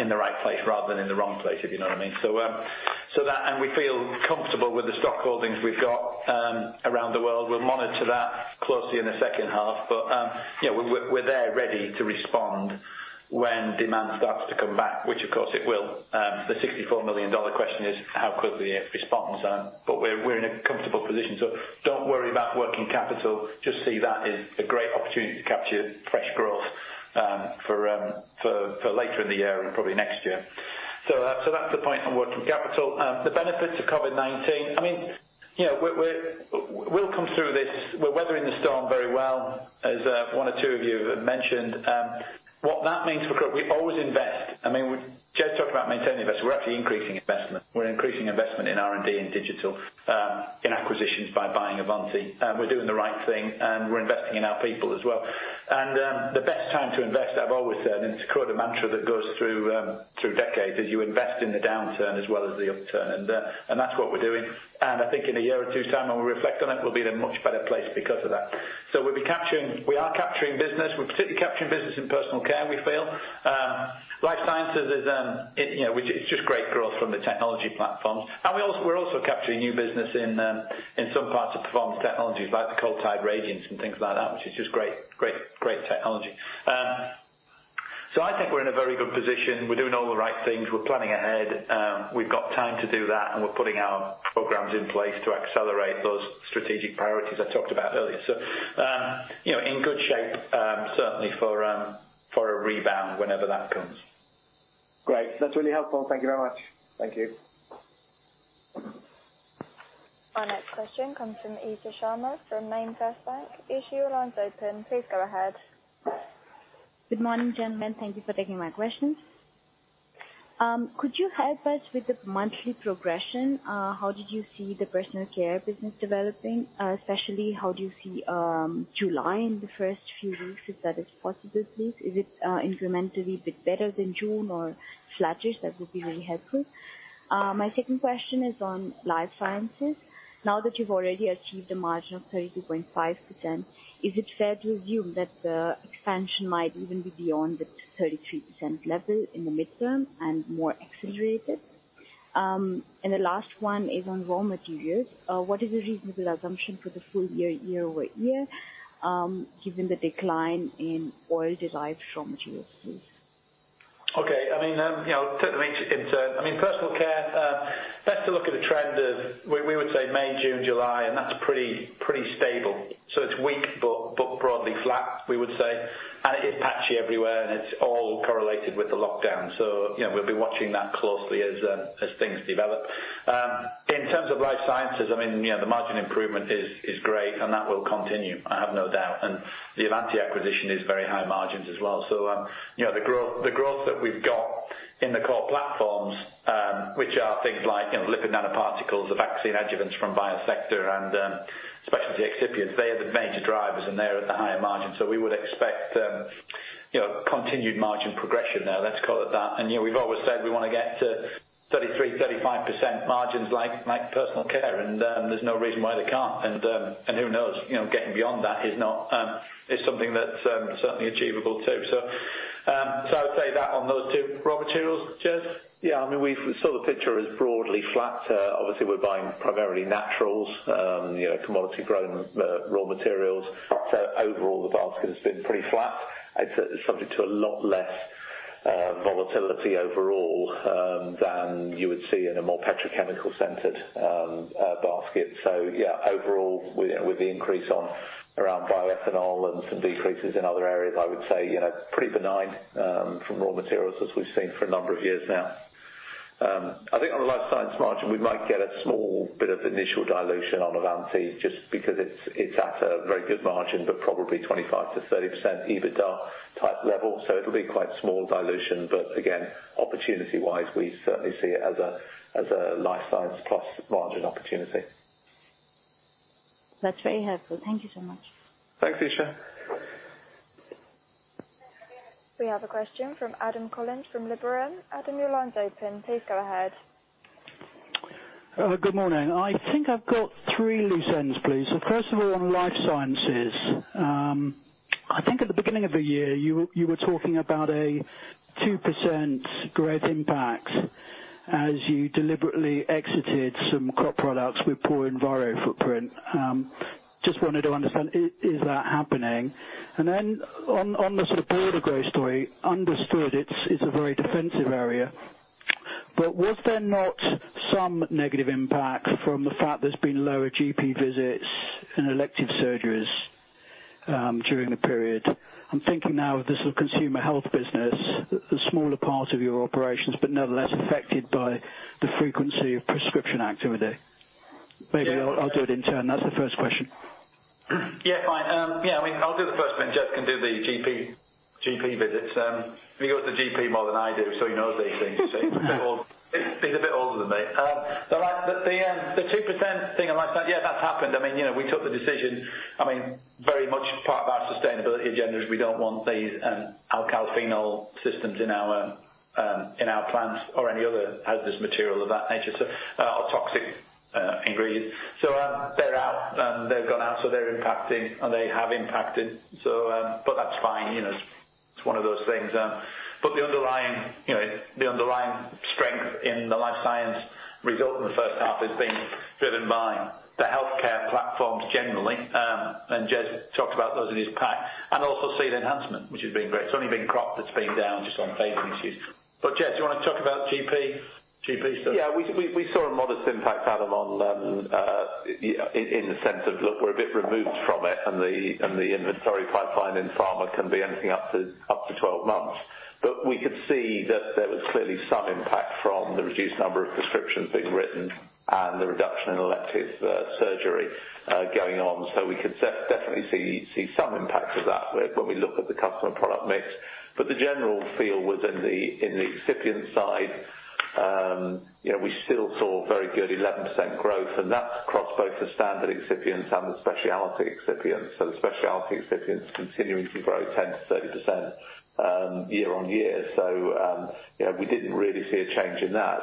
in the right place rather than in the wrong place, if you know what I mean. We feel comfortable with the stock holdings we've got around the world. We'll monitor that closely in the second half. We're there ready to respond when demand starts to come back, which of course it will. The $64 million question is how quickly it responds. We're in a comfortable position, so don't worry about working capital. Just see that as a great opportunity to capture fresh growth for later in the year and probably next year. That's the point on working capital. The benefits of COVID-19, I mean, we'll come through this. We're weathering the storm very well, as one or two of you have mentioned. What that means for Croda, we always invest. I mean, Jez talked about maintaining investment. We're actually increasing investment. We're increasing investment in R&D and digital, in acquisitions by buying Avanti. We're doing the right thing, we're investing in our people as well. The best time to invest, I've always said, it's a Croda mantra that goes through decades, is you invest in the downturn as well as the upturn. That's what we're doing. I think in a year or two time, when we reflect on it, we'll be in a much better place because of that. We are capturing business. We're pSarticularly capturing business in personal care, we feel. Life Sciences is just great growth from the technology platforms, and we're also capturing new business in some parts of Performance Technologies like the Coltide Radiance and things like that, which is just great technology. I think we're in a very good position. We're doing all the right things. We're planning ahead. We've got time to do that, and we're putting our programs in place to accelerate those strategic priorities I talked about earlier. In good shape certainly for a rebound whenever that comes. Great. That's really helpful. Thank you very much. Thank you. Our next question comes from Esha Sharma from Manvest Bank. Esha, your line's open. Please go ahead. Good morning, gentlemen. Thank you for taking my questions. Could you help us with the monthly progression? How did you see the personal care business developing? Especially how do you see July in the first few weeks, if that is possible, please? Is it incrementally a bit better than June or flatish? That would be really helpful. My second question is on life sciences. Now that you've already achieved a margin of 32.5%, is it fair to assume that the expansion might even be beyond the 33% level in the midterm and more accelerated? The last one is on raw materials. What is a reasonable assumption for the full year-over-year, given the decline in oil derived raw materials please? Okay. I'll take them each in turn. Personal care, best to look at a trend of, we would say May, June, July, that's pretty stable. It's weak but broadly flat, we would say. It is patchy everywhere, and it's all correlated with the lockdown. We'll be watching that closely as things develop. In terms of life sciences, the margin improvement is great and that will continue, I have no doubt. The Avanti acquisition is very high margins as well. The growth that we've got in the core platforms, which are things like lipid nanoparticles, the vaccine adjuvants from Biosector, and specialty excipients, they are the major drivers, and they're at the higher margin. We would expect continued margin progression there, let's call it that. We've always said we want to get to 33%, 35% margins like personal care, and there's no reason why they can't. Who knows, getting beyond that is something that's certainly achievable, too. I would say that on those two. Raw materials, Jez? Yeah. We saw the picture as broadly flat. Obviously, we're buying primarily naturals, commodity grown raw materials. Overall, the basket has been pretty flat. It's subject to a lot less volatility overall than you would see in a more petrochemical-centered basket. Yeah, overall, with the increase around bioethanol and some decreases in other areas, I would say pretty benign from raw materials as we've seen for a number of years now. I think on the life science margin, we might get a small bit of initial dilution on Avanti just because it's at a very good margin, but probably 25%-30% EBITDA type level, so it'll be quite small dilution, but again, opportunity-wise, we certainly see it as a life science plus margin opportunity. That's very helpful. Thank you so much. Thanks, Esha. We have a question from Adam Collins from Liberum. Adam, your line's open. Please go ahead. Good morning. I think I've got three loose ends, please. First of all, on Life Sciences. I think at the beginning of the year, you were talking about a 2% growth impact as you deliberately exited some crop products with poor enviro footprint. Just wanted to understand, is that happening? Then on the sort of broader growth story, understood it's a very defensive area. Was there not some negative impact from the fact there's been lower GP visits and elective surgeries during the period? I'm thinking now of this consumer health business, the smaller part of your operations, but nevertheless affected by the frequency of prescription activity. Maybe I'll do it in turn. That's the first question. Yeah, fine. I'll do the first bit, and Jez can do the GP visits. He goes to GP more than I do, so he knows these things. He's a bit older than me. The 2% thing, yeah, that's happened. We took the decision, very much part of our sustainability agenda is we don't want these alkylphenol systems in our plants or any other hazardous material of that nature, or toxic ingredients. They're out. They've gone out, so they're impacting, and they have impacted. That's fine. It's one of those things. The underlying strength in the Life Sciences result in the first half has been driven by the healthcare platforms generally. Jez talked about those in his pack. Also seed enhancement, which has been great. It's only been Croda that's been down just on phasing issues. Jez, you want to talk about GP stuff? Yeah. We saw a modest impact, Adam, in the sense of, look, we're a bit removed from it and the inventory pipeline in pharma can be anything up to 12 months. We could see that there was clearly some impact from the reduced number of prescriptions being written and the reduction in elective surgery going on. We could definitely see some impact of that when we look at the customer product mix. The general feel was in the excipient side, we still saw very good 11% growth, and that's across both the standard excipients and the specialty excipients. The specialty excipients continuing to grow 10%-30% year-on-year. We didn't really see a change in that.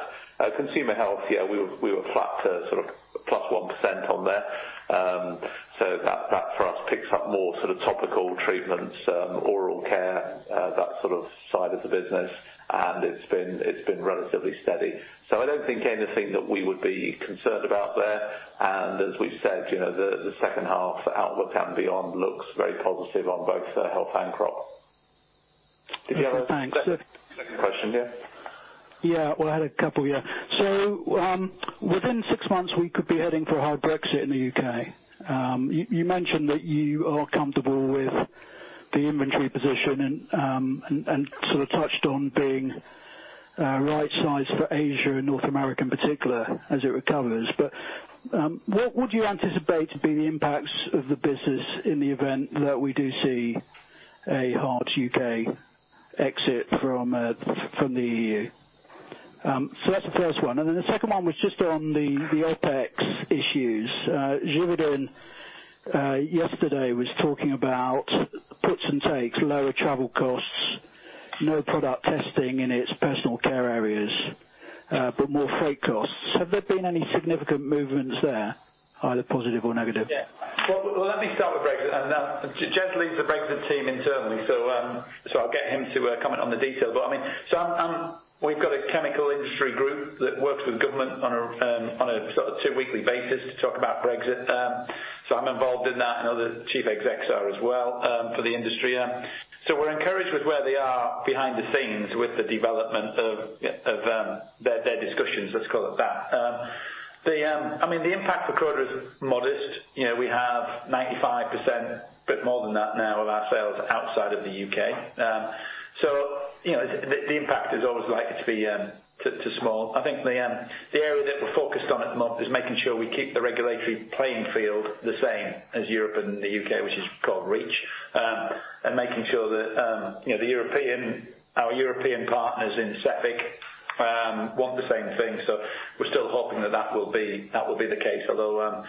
Consumer health, yeah, we were flat to sort of +1% on there. That for us picks up more sort of topical treatments, oral care, that sort of side of the business, and it's been relatively steady. I don't think anything that we would be concerned about there. As we've said, the second half outlook and beyond looks very positive on both health and crop. Did you have a second question, yeah? Well, I had a couple, yeah. Within six months, we could be heading for a hard Brexit in the U.K. You mentioned that you are comfortable with the inventory position and sort of touched on being right-sized for Asia and North America in particular as it recovers. What would you anticipate to be the impacts of the business in the event that we do see a hard U.K. exit from the E.U.? That's the first one. The second one was just on the OpEx issues. Givaudan yesterday was talking about puts and takes, lower travel costs, no product testing in its personal care areas, but more freight costs. Have there been any significant movements there, either positive or negative? Well, let me start with Brexit. Jez leads the Brexit team internally, I'll get him to comment on the detail. We've got a chemical industry group that works with government on a sort of two-weekly basis to talk about Brexit. I'm involved in that, other chief execs are as well, for the industry. We're encouraged with where they are behind the scenes with the development of their discussions, let's call it that. The impact for Croda is modest. We have 95%, a bit more than that now, of our sales outside of the U.K. The impact is always likely to be small. I think the area that we're focused on at the moment is making sure we keep the regulatory playing field the same as Europe and the U.K., which is called REACH, and making sure that our European partners in Cefic want the same thing. We're still hoping that will be the case, although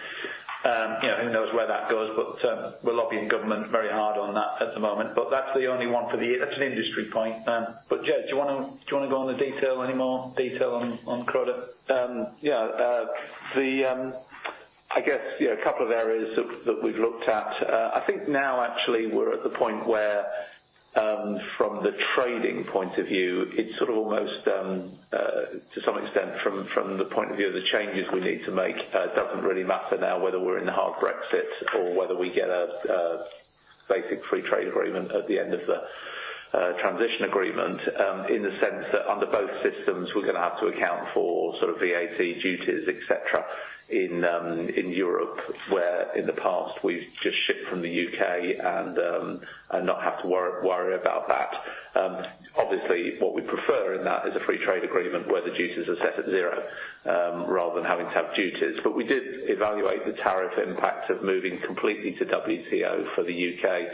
who knows where that goes, but we're lobbying government very hard on that at the moment. That's the only one that's an industry point. Jez, do you want to go on the detail anymore? Detail on Croda? Yeah. I guess a couple of areas that we've looked at. I think now actually we're at the point where, from the trading point of view, it's sort of almost, to some extent, from the point of view of the changes we need to make, it doesn't really matter now whether we're in a hard Brexit or whether we get a basic free trade agreement at the end of the transition agreement. In the sense that under both systems, we're going to have to account for sort of VAT duties, et cetera in Europe, where in the past we've just shipped from the U.K. and not have to worry about that. Obviously, what we prefer in that is a free trade agreement where the duties are set at zero, rather than having to have duties. We did evaluate the tariff impact of moving completely to WTO for the U.K.,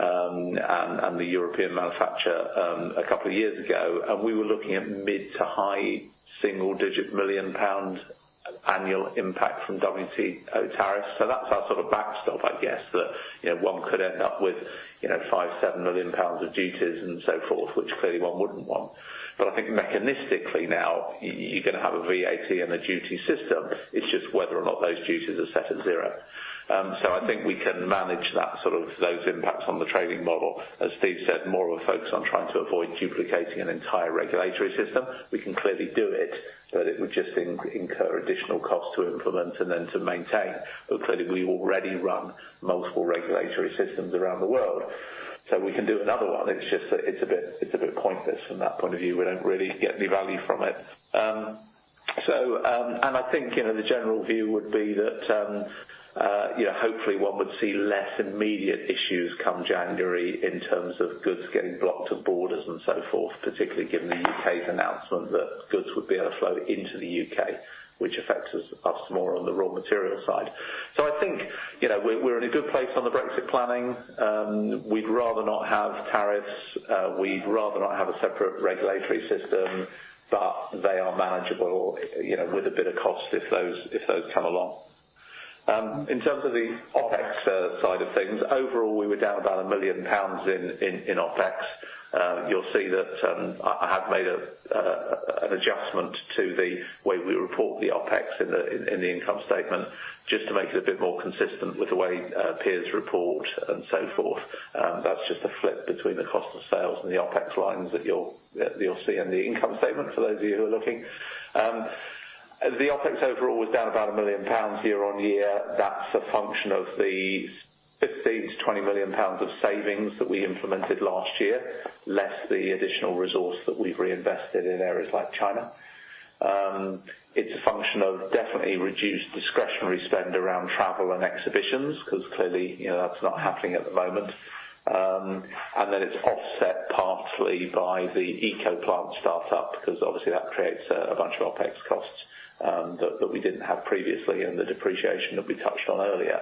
and the European manufacturer a couple of years ago. We were looking at mid to high single-digit million Pounds annual impact from WTO tariffs. That's our sort of backstop, I guess that one could end up with 5 million, 7 million pounds of duties and so forth, which clearly one wouldn't want. I think mechanistically now, you're going to have a VAT and a duty system, it's just whether or not those duties are set at zero. I think we can manage those impacts on the trading model. As Steve said, more of a focus on trying to avoid duplicating an entire regulatory system. We can clearly do it would just incur additional cost to implement and then to maintain, clearly, we already run multiple regulatory systems around the world. We can do another one, it's just that it's a bit pointless from that point of view. We don't really get any value from it. I think, the general view would be that hopefully one would see less immediate issues come January in terms of goods getting blocked at borders and so forth, particularly given the U.K.'s announcement that goods would be able to flow into the U.K., which affects us more on the raw material side. I think, we're in a good place on the Brexit planning. We'd rather not have tariffs. We'd rather not have a separate regulatory system, but they are manageable, with a bit of cost if those come along. In terms of the OpEx side of things, overall, we were down about 1 million pounds in OpEx. You'll see that I have made an adjustment to the way we report the OpEx in the income statement, just to make it a bit more consistent with the way peers report and so forth. That's just a flip between the cost of sales and the OpEx lines that you'll see in the income statement, for those of you who are looking. The OpEx overall was down about 1 million pounds year-over-year. That's a function of the let say 20 million pounds of savings that we implemented last year, less the additional resource that we've reinvested in areas like China. It's a function of definitely reduced discretionary spend around travel and exhibitions, because clearly, that's not happening at the moment. Then it's offset partly by the ECO Plant startup, because obviously that creates a bunch of OpEx costs that we didn't have previously and the depreciation that we touched on earlier.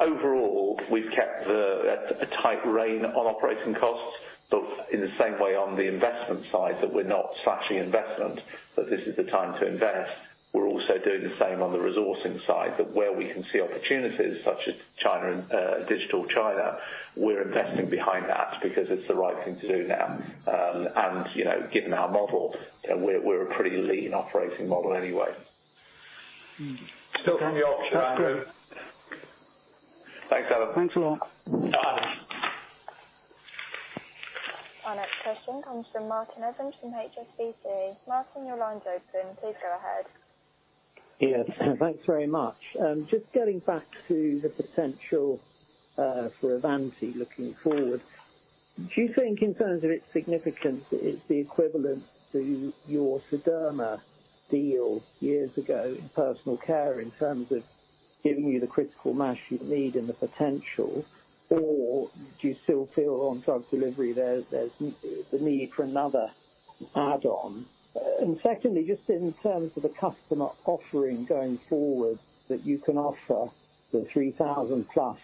Overall, we've kept a tight rein on operating costs, but in the same way on the investment side that we're not slashing investment, that this is the time to invest. We're also doing the same on the resourcing side, that where we can see opportunities such as China and Digital China, we're investing behind that because it's the right thing to do now. Given our model, we're a pretty lean operating model anyway. Still from the OpEx- That's great. Thanks, Adam. Thanks a lot. Our next question comes from Martin Evans from HSBC. Martin, your line's open. Please go ahead. Yes. Thanks very much. Just getting back to the potential for Avanti looking forward. Do you think in terms of its significance, that it's the equivalent to your Sederma deal years ago in personal care, in terms of giving you the critical mass you need and the potential? Do you still feel on drug delivery there's the need for another add-on? Secondly, just in terms of the customer offering going forward, that you can offer the 3,000+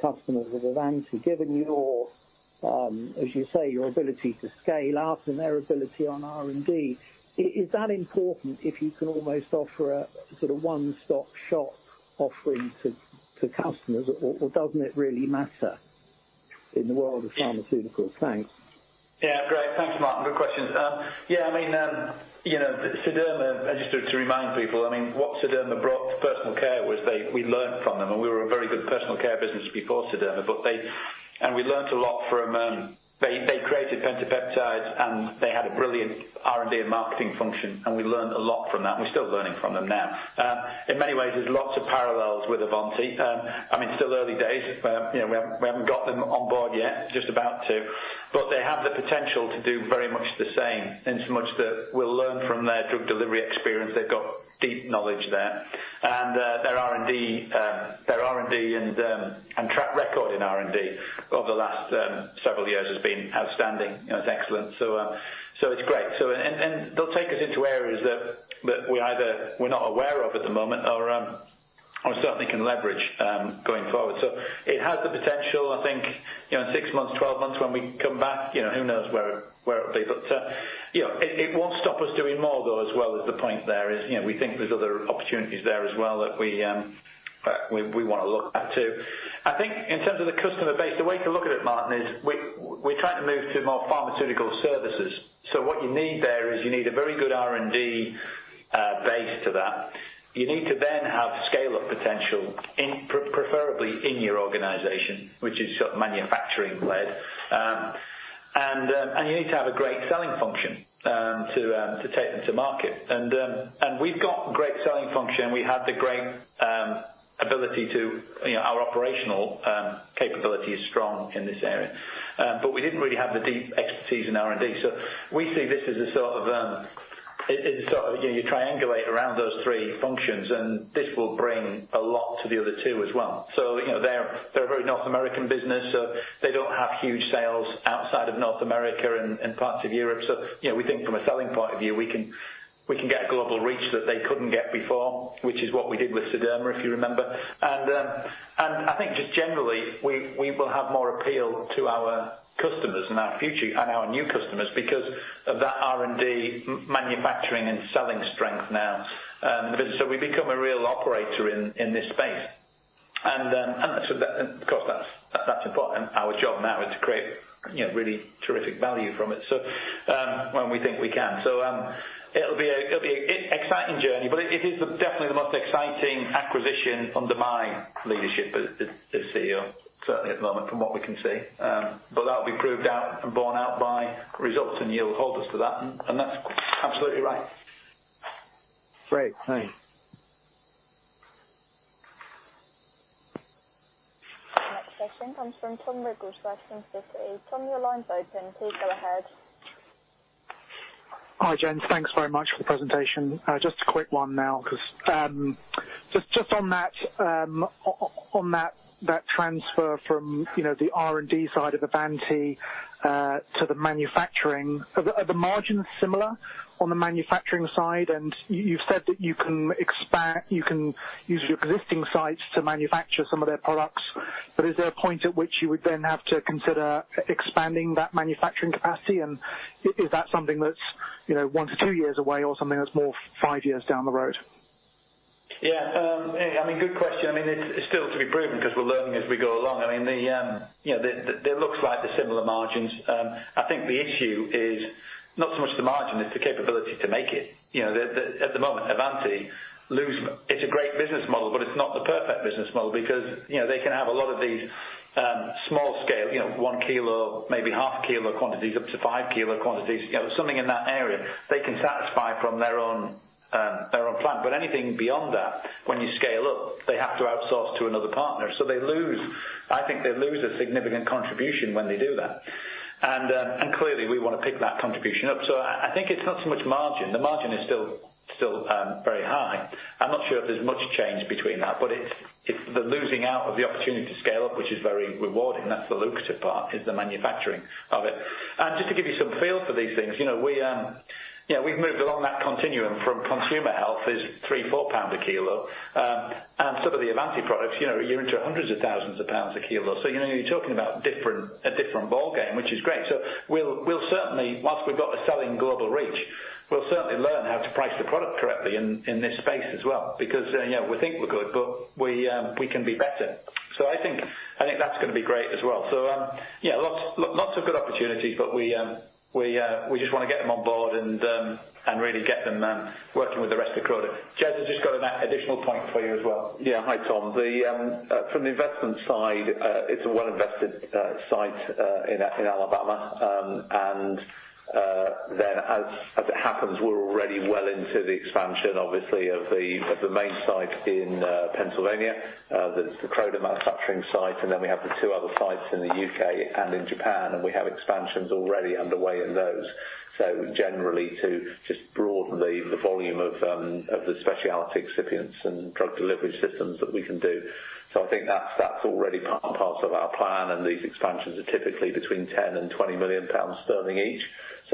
customers of Avanti, given your, as you say, your ability to scale up and their ability on R&D. Is that important if you can almost offer a sort of one-stop shop offering to customers or doesn't it really matter in the world of pharmaceuticals? Thanks. Yeah. Great. Thanks, Martin. Good questions. Yeah, Sederma, just to remind people, what Sederma brought to personal care was we learned from them, and we were a very good personal care business before Sederma. And we learned a lot from them. They created pentapeptides, and they had a brilliant R&D and marketing function, and we learned a lot from that. We're still learning from them now. In many ways, there's lots of parallels with Avanti. It's still early days. We haven't got them on board yet, just about to. They have the potential to do very much the same, in so much that we'll learn from their drug delivery experience. They've got deep knowledge there. Their R&D and track record in R&D over the last several years has been outstanding. It's excellent. It's great. They'll take us into areas that we either we're not aware of at the moment or certainly can leverage going forward. It has the potential, I think, in six months, 12 months when we come back, who knows where it'll be. It won't stop us doing more, though, as well, is the point there is. We think there's other opportunities there as well that we want to look at, too. I think in terms of the customer base, the way to look at it, Martin, is we're trying to move to more pharmaceutical services. What you need there is you need a very good R&D base to that. You need to then have scale-up potential, preferably in your organization, which is manufacturing-led. You need to have a great selling function to take them to market. We've got great selling function. We have the great ability our operational capability is strong in this area. We didn't really have the deep expertise in R&D. We see this as a sort of, you triangulate around those three functions, and this will bring a lot to the other two as well. They're a very North American business. They don't have huge sales outside of North America and parts of Europe. We think from a selling point of view, we can get a global reach that they couldn't get before, which is what we did with Sederma, if you remember. I think just generally, we will have more appeal to our customers and our new customers because of that R&D manufacturing and selling strength now. We become a real operator in this space. Of course, that's important. Our job now is to create really terrific value from it, when we think we can. It'll be an exciting journey, but it is definitely the most exciting acquisition under my leadership as CEO, certainly at the moment, from what we can see. That will be proved out and borne out by results, and you'll hold us to that. That's absolutely right. Great. Thanks. Next question comes from Tom Wigglesworth from Citi. Tom, your line's open. Please go ahead. Hi, gents. Thanks very much for the presentation. Just a quick one now, just on that transfer from the R&D side of Avanti to the manufacturing. Are the margins similar on the manufacturing side? You've said that you can use your existing sites to manufacture some of their products, but is there a point at which you would then have to consider expanding that manufacturing capacity? Is that something that's one to two years away or something that's more five years down the road? Yeah. Good question. It's still to be proven because we're learning as we go along. There looks like they're similar margins. I think the issue is not so much the margin, it's the capability to make it. At the moment, Avanti, it's a great business model, but it's not the perfect business model because they can have a lot of these small scale, 1 kg, maybe 0.5 kg of quantities, up to 5 kg quantities. Something in that area they can satisfy from their own plant. Anything beyond that, when you scale up, they have to outsource to another partner. They lose, I think they lose a significant contribution when they do that. Clearly, we want to pick that contribution up. I think it's not so much margin. The margin is still very high. I'm not sure if there's much change between that, it's the losing out of the opportunity to scale up which is very rewarding. That's the lucrative part, is the manufacturing of it. Just to give you some feel for these things, we've moved along that continuum from consumer health is 3, 4 pound a kilo. Some of the Avanti products, you're into hundreds of thousands of Pounds a kilo. You're talking about a different ballgame, which is great. We'll certainly, once we've got the selling global reach, we'll certainly learn how to price the product correctly in this space as well. We think we're good, but we can be better. I think that's going to be great as well. Yeah, lots of good opportunities, but we just want to get them on board and really get them working with the rest of Croda. Jez has just got an additional point for you as well. Yeah. Hi, Tom. From the investment side, it's a well invested site in Alabama. As it happens, we're already well into the expansion, obviously of the main site in Pennsylvania, the Croda manufacturing site. We have the two other sites in the U.K. and in Japan, and we have expansions already underway in those. Generally to just broaden the volume of the specialty excipients and drug delivery systems that we can do. I think that's already part and parcel of our plan, and these expansions are typically between 10 million-20 million pounds each.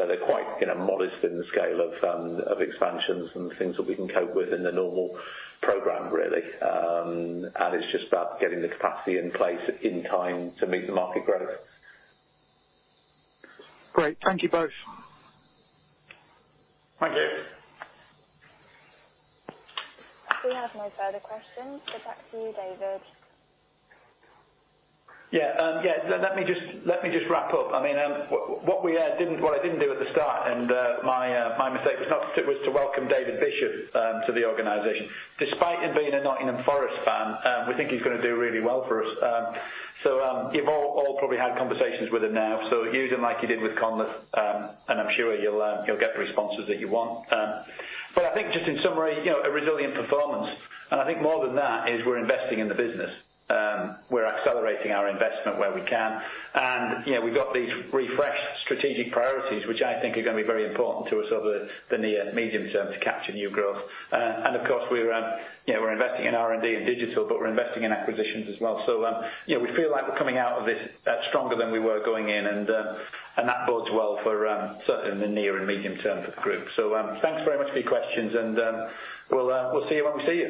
They're quite modest in the scale of expansions and things that we can cope with in the normal program, really. It's just about getting the capacity in place in time to meet the market growth. Great. Thank you both. Thank you. We have no further questions. Back to you, David. Let me just wrap up. What I didn't do at the start, my mistake was not to welcome David Bishop to the organization. Despite him being a Nottingham Forest fan, we think he's going to do really well for us. You've all probably had conversations with him now, use him like you did with Connal, I'm sure you'll get the responses that you want. I think just in summary, a resilient performance. I think more than that is we're investing in the business. We're accelerating our investment where we can. We've got these refreshed strategic priorities, which I think are going to be very important to us over the near medium term to capture new growth. Of course, we're investing in R&D and digital, we're investing in acquisitions as well. We feel like we're coming out of this stronger than we were going in, and that bodes well for certainly in the near and medium term for the group. Thanks very much for your questions, and we'll see you when we see you.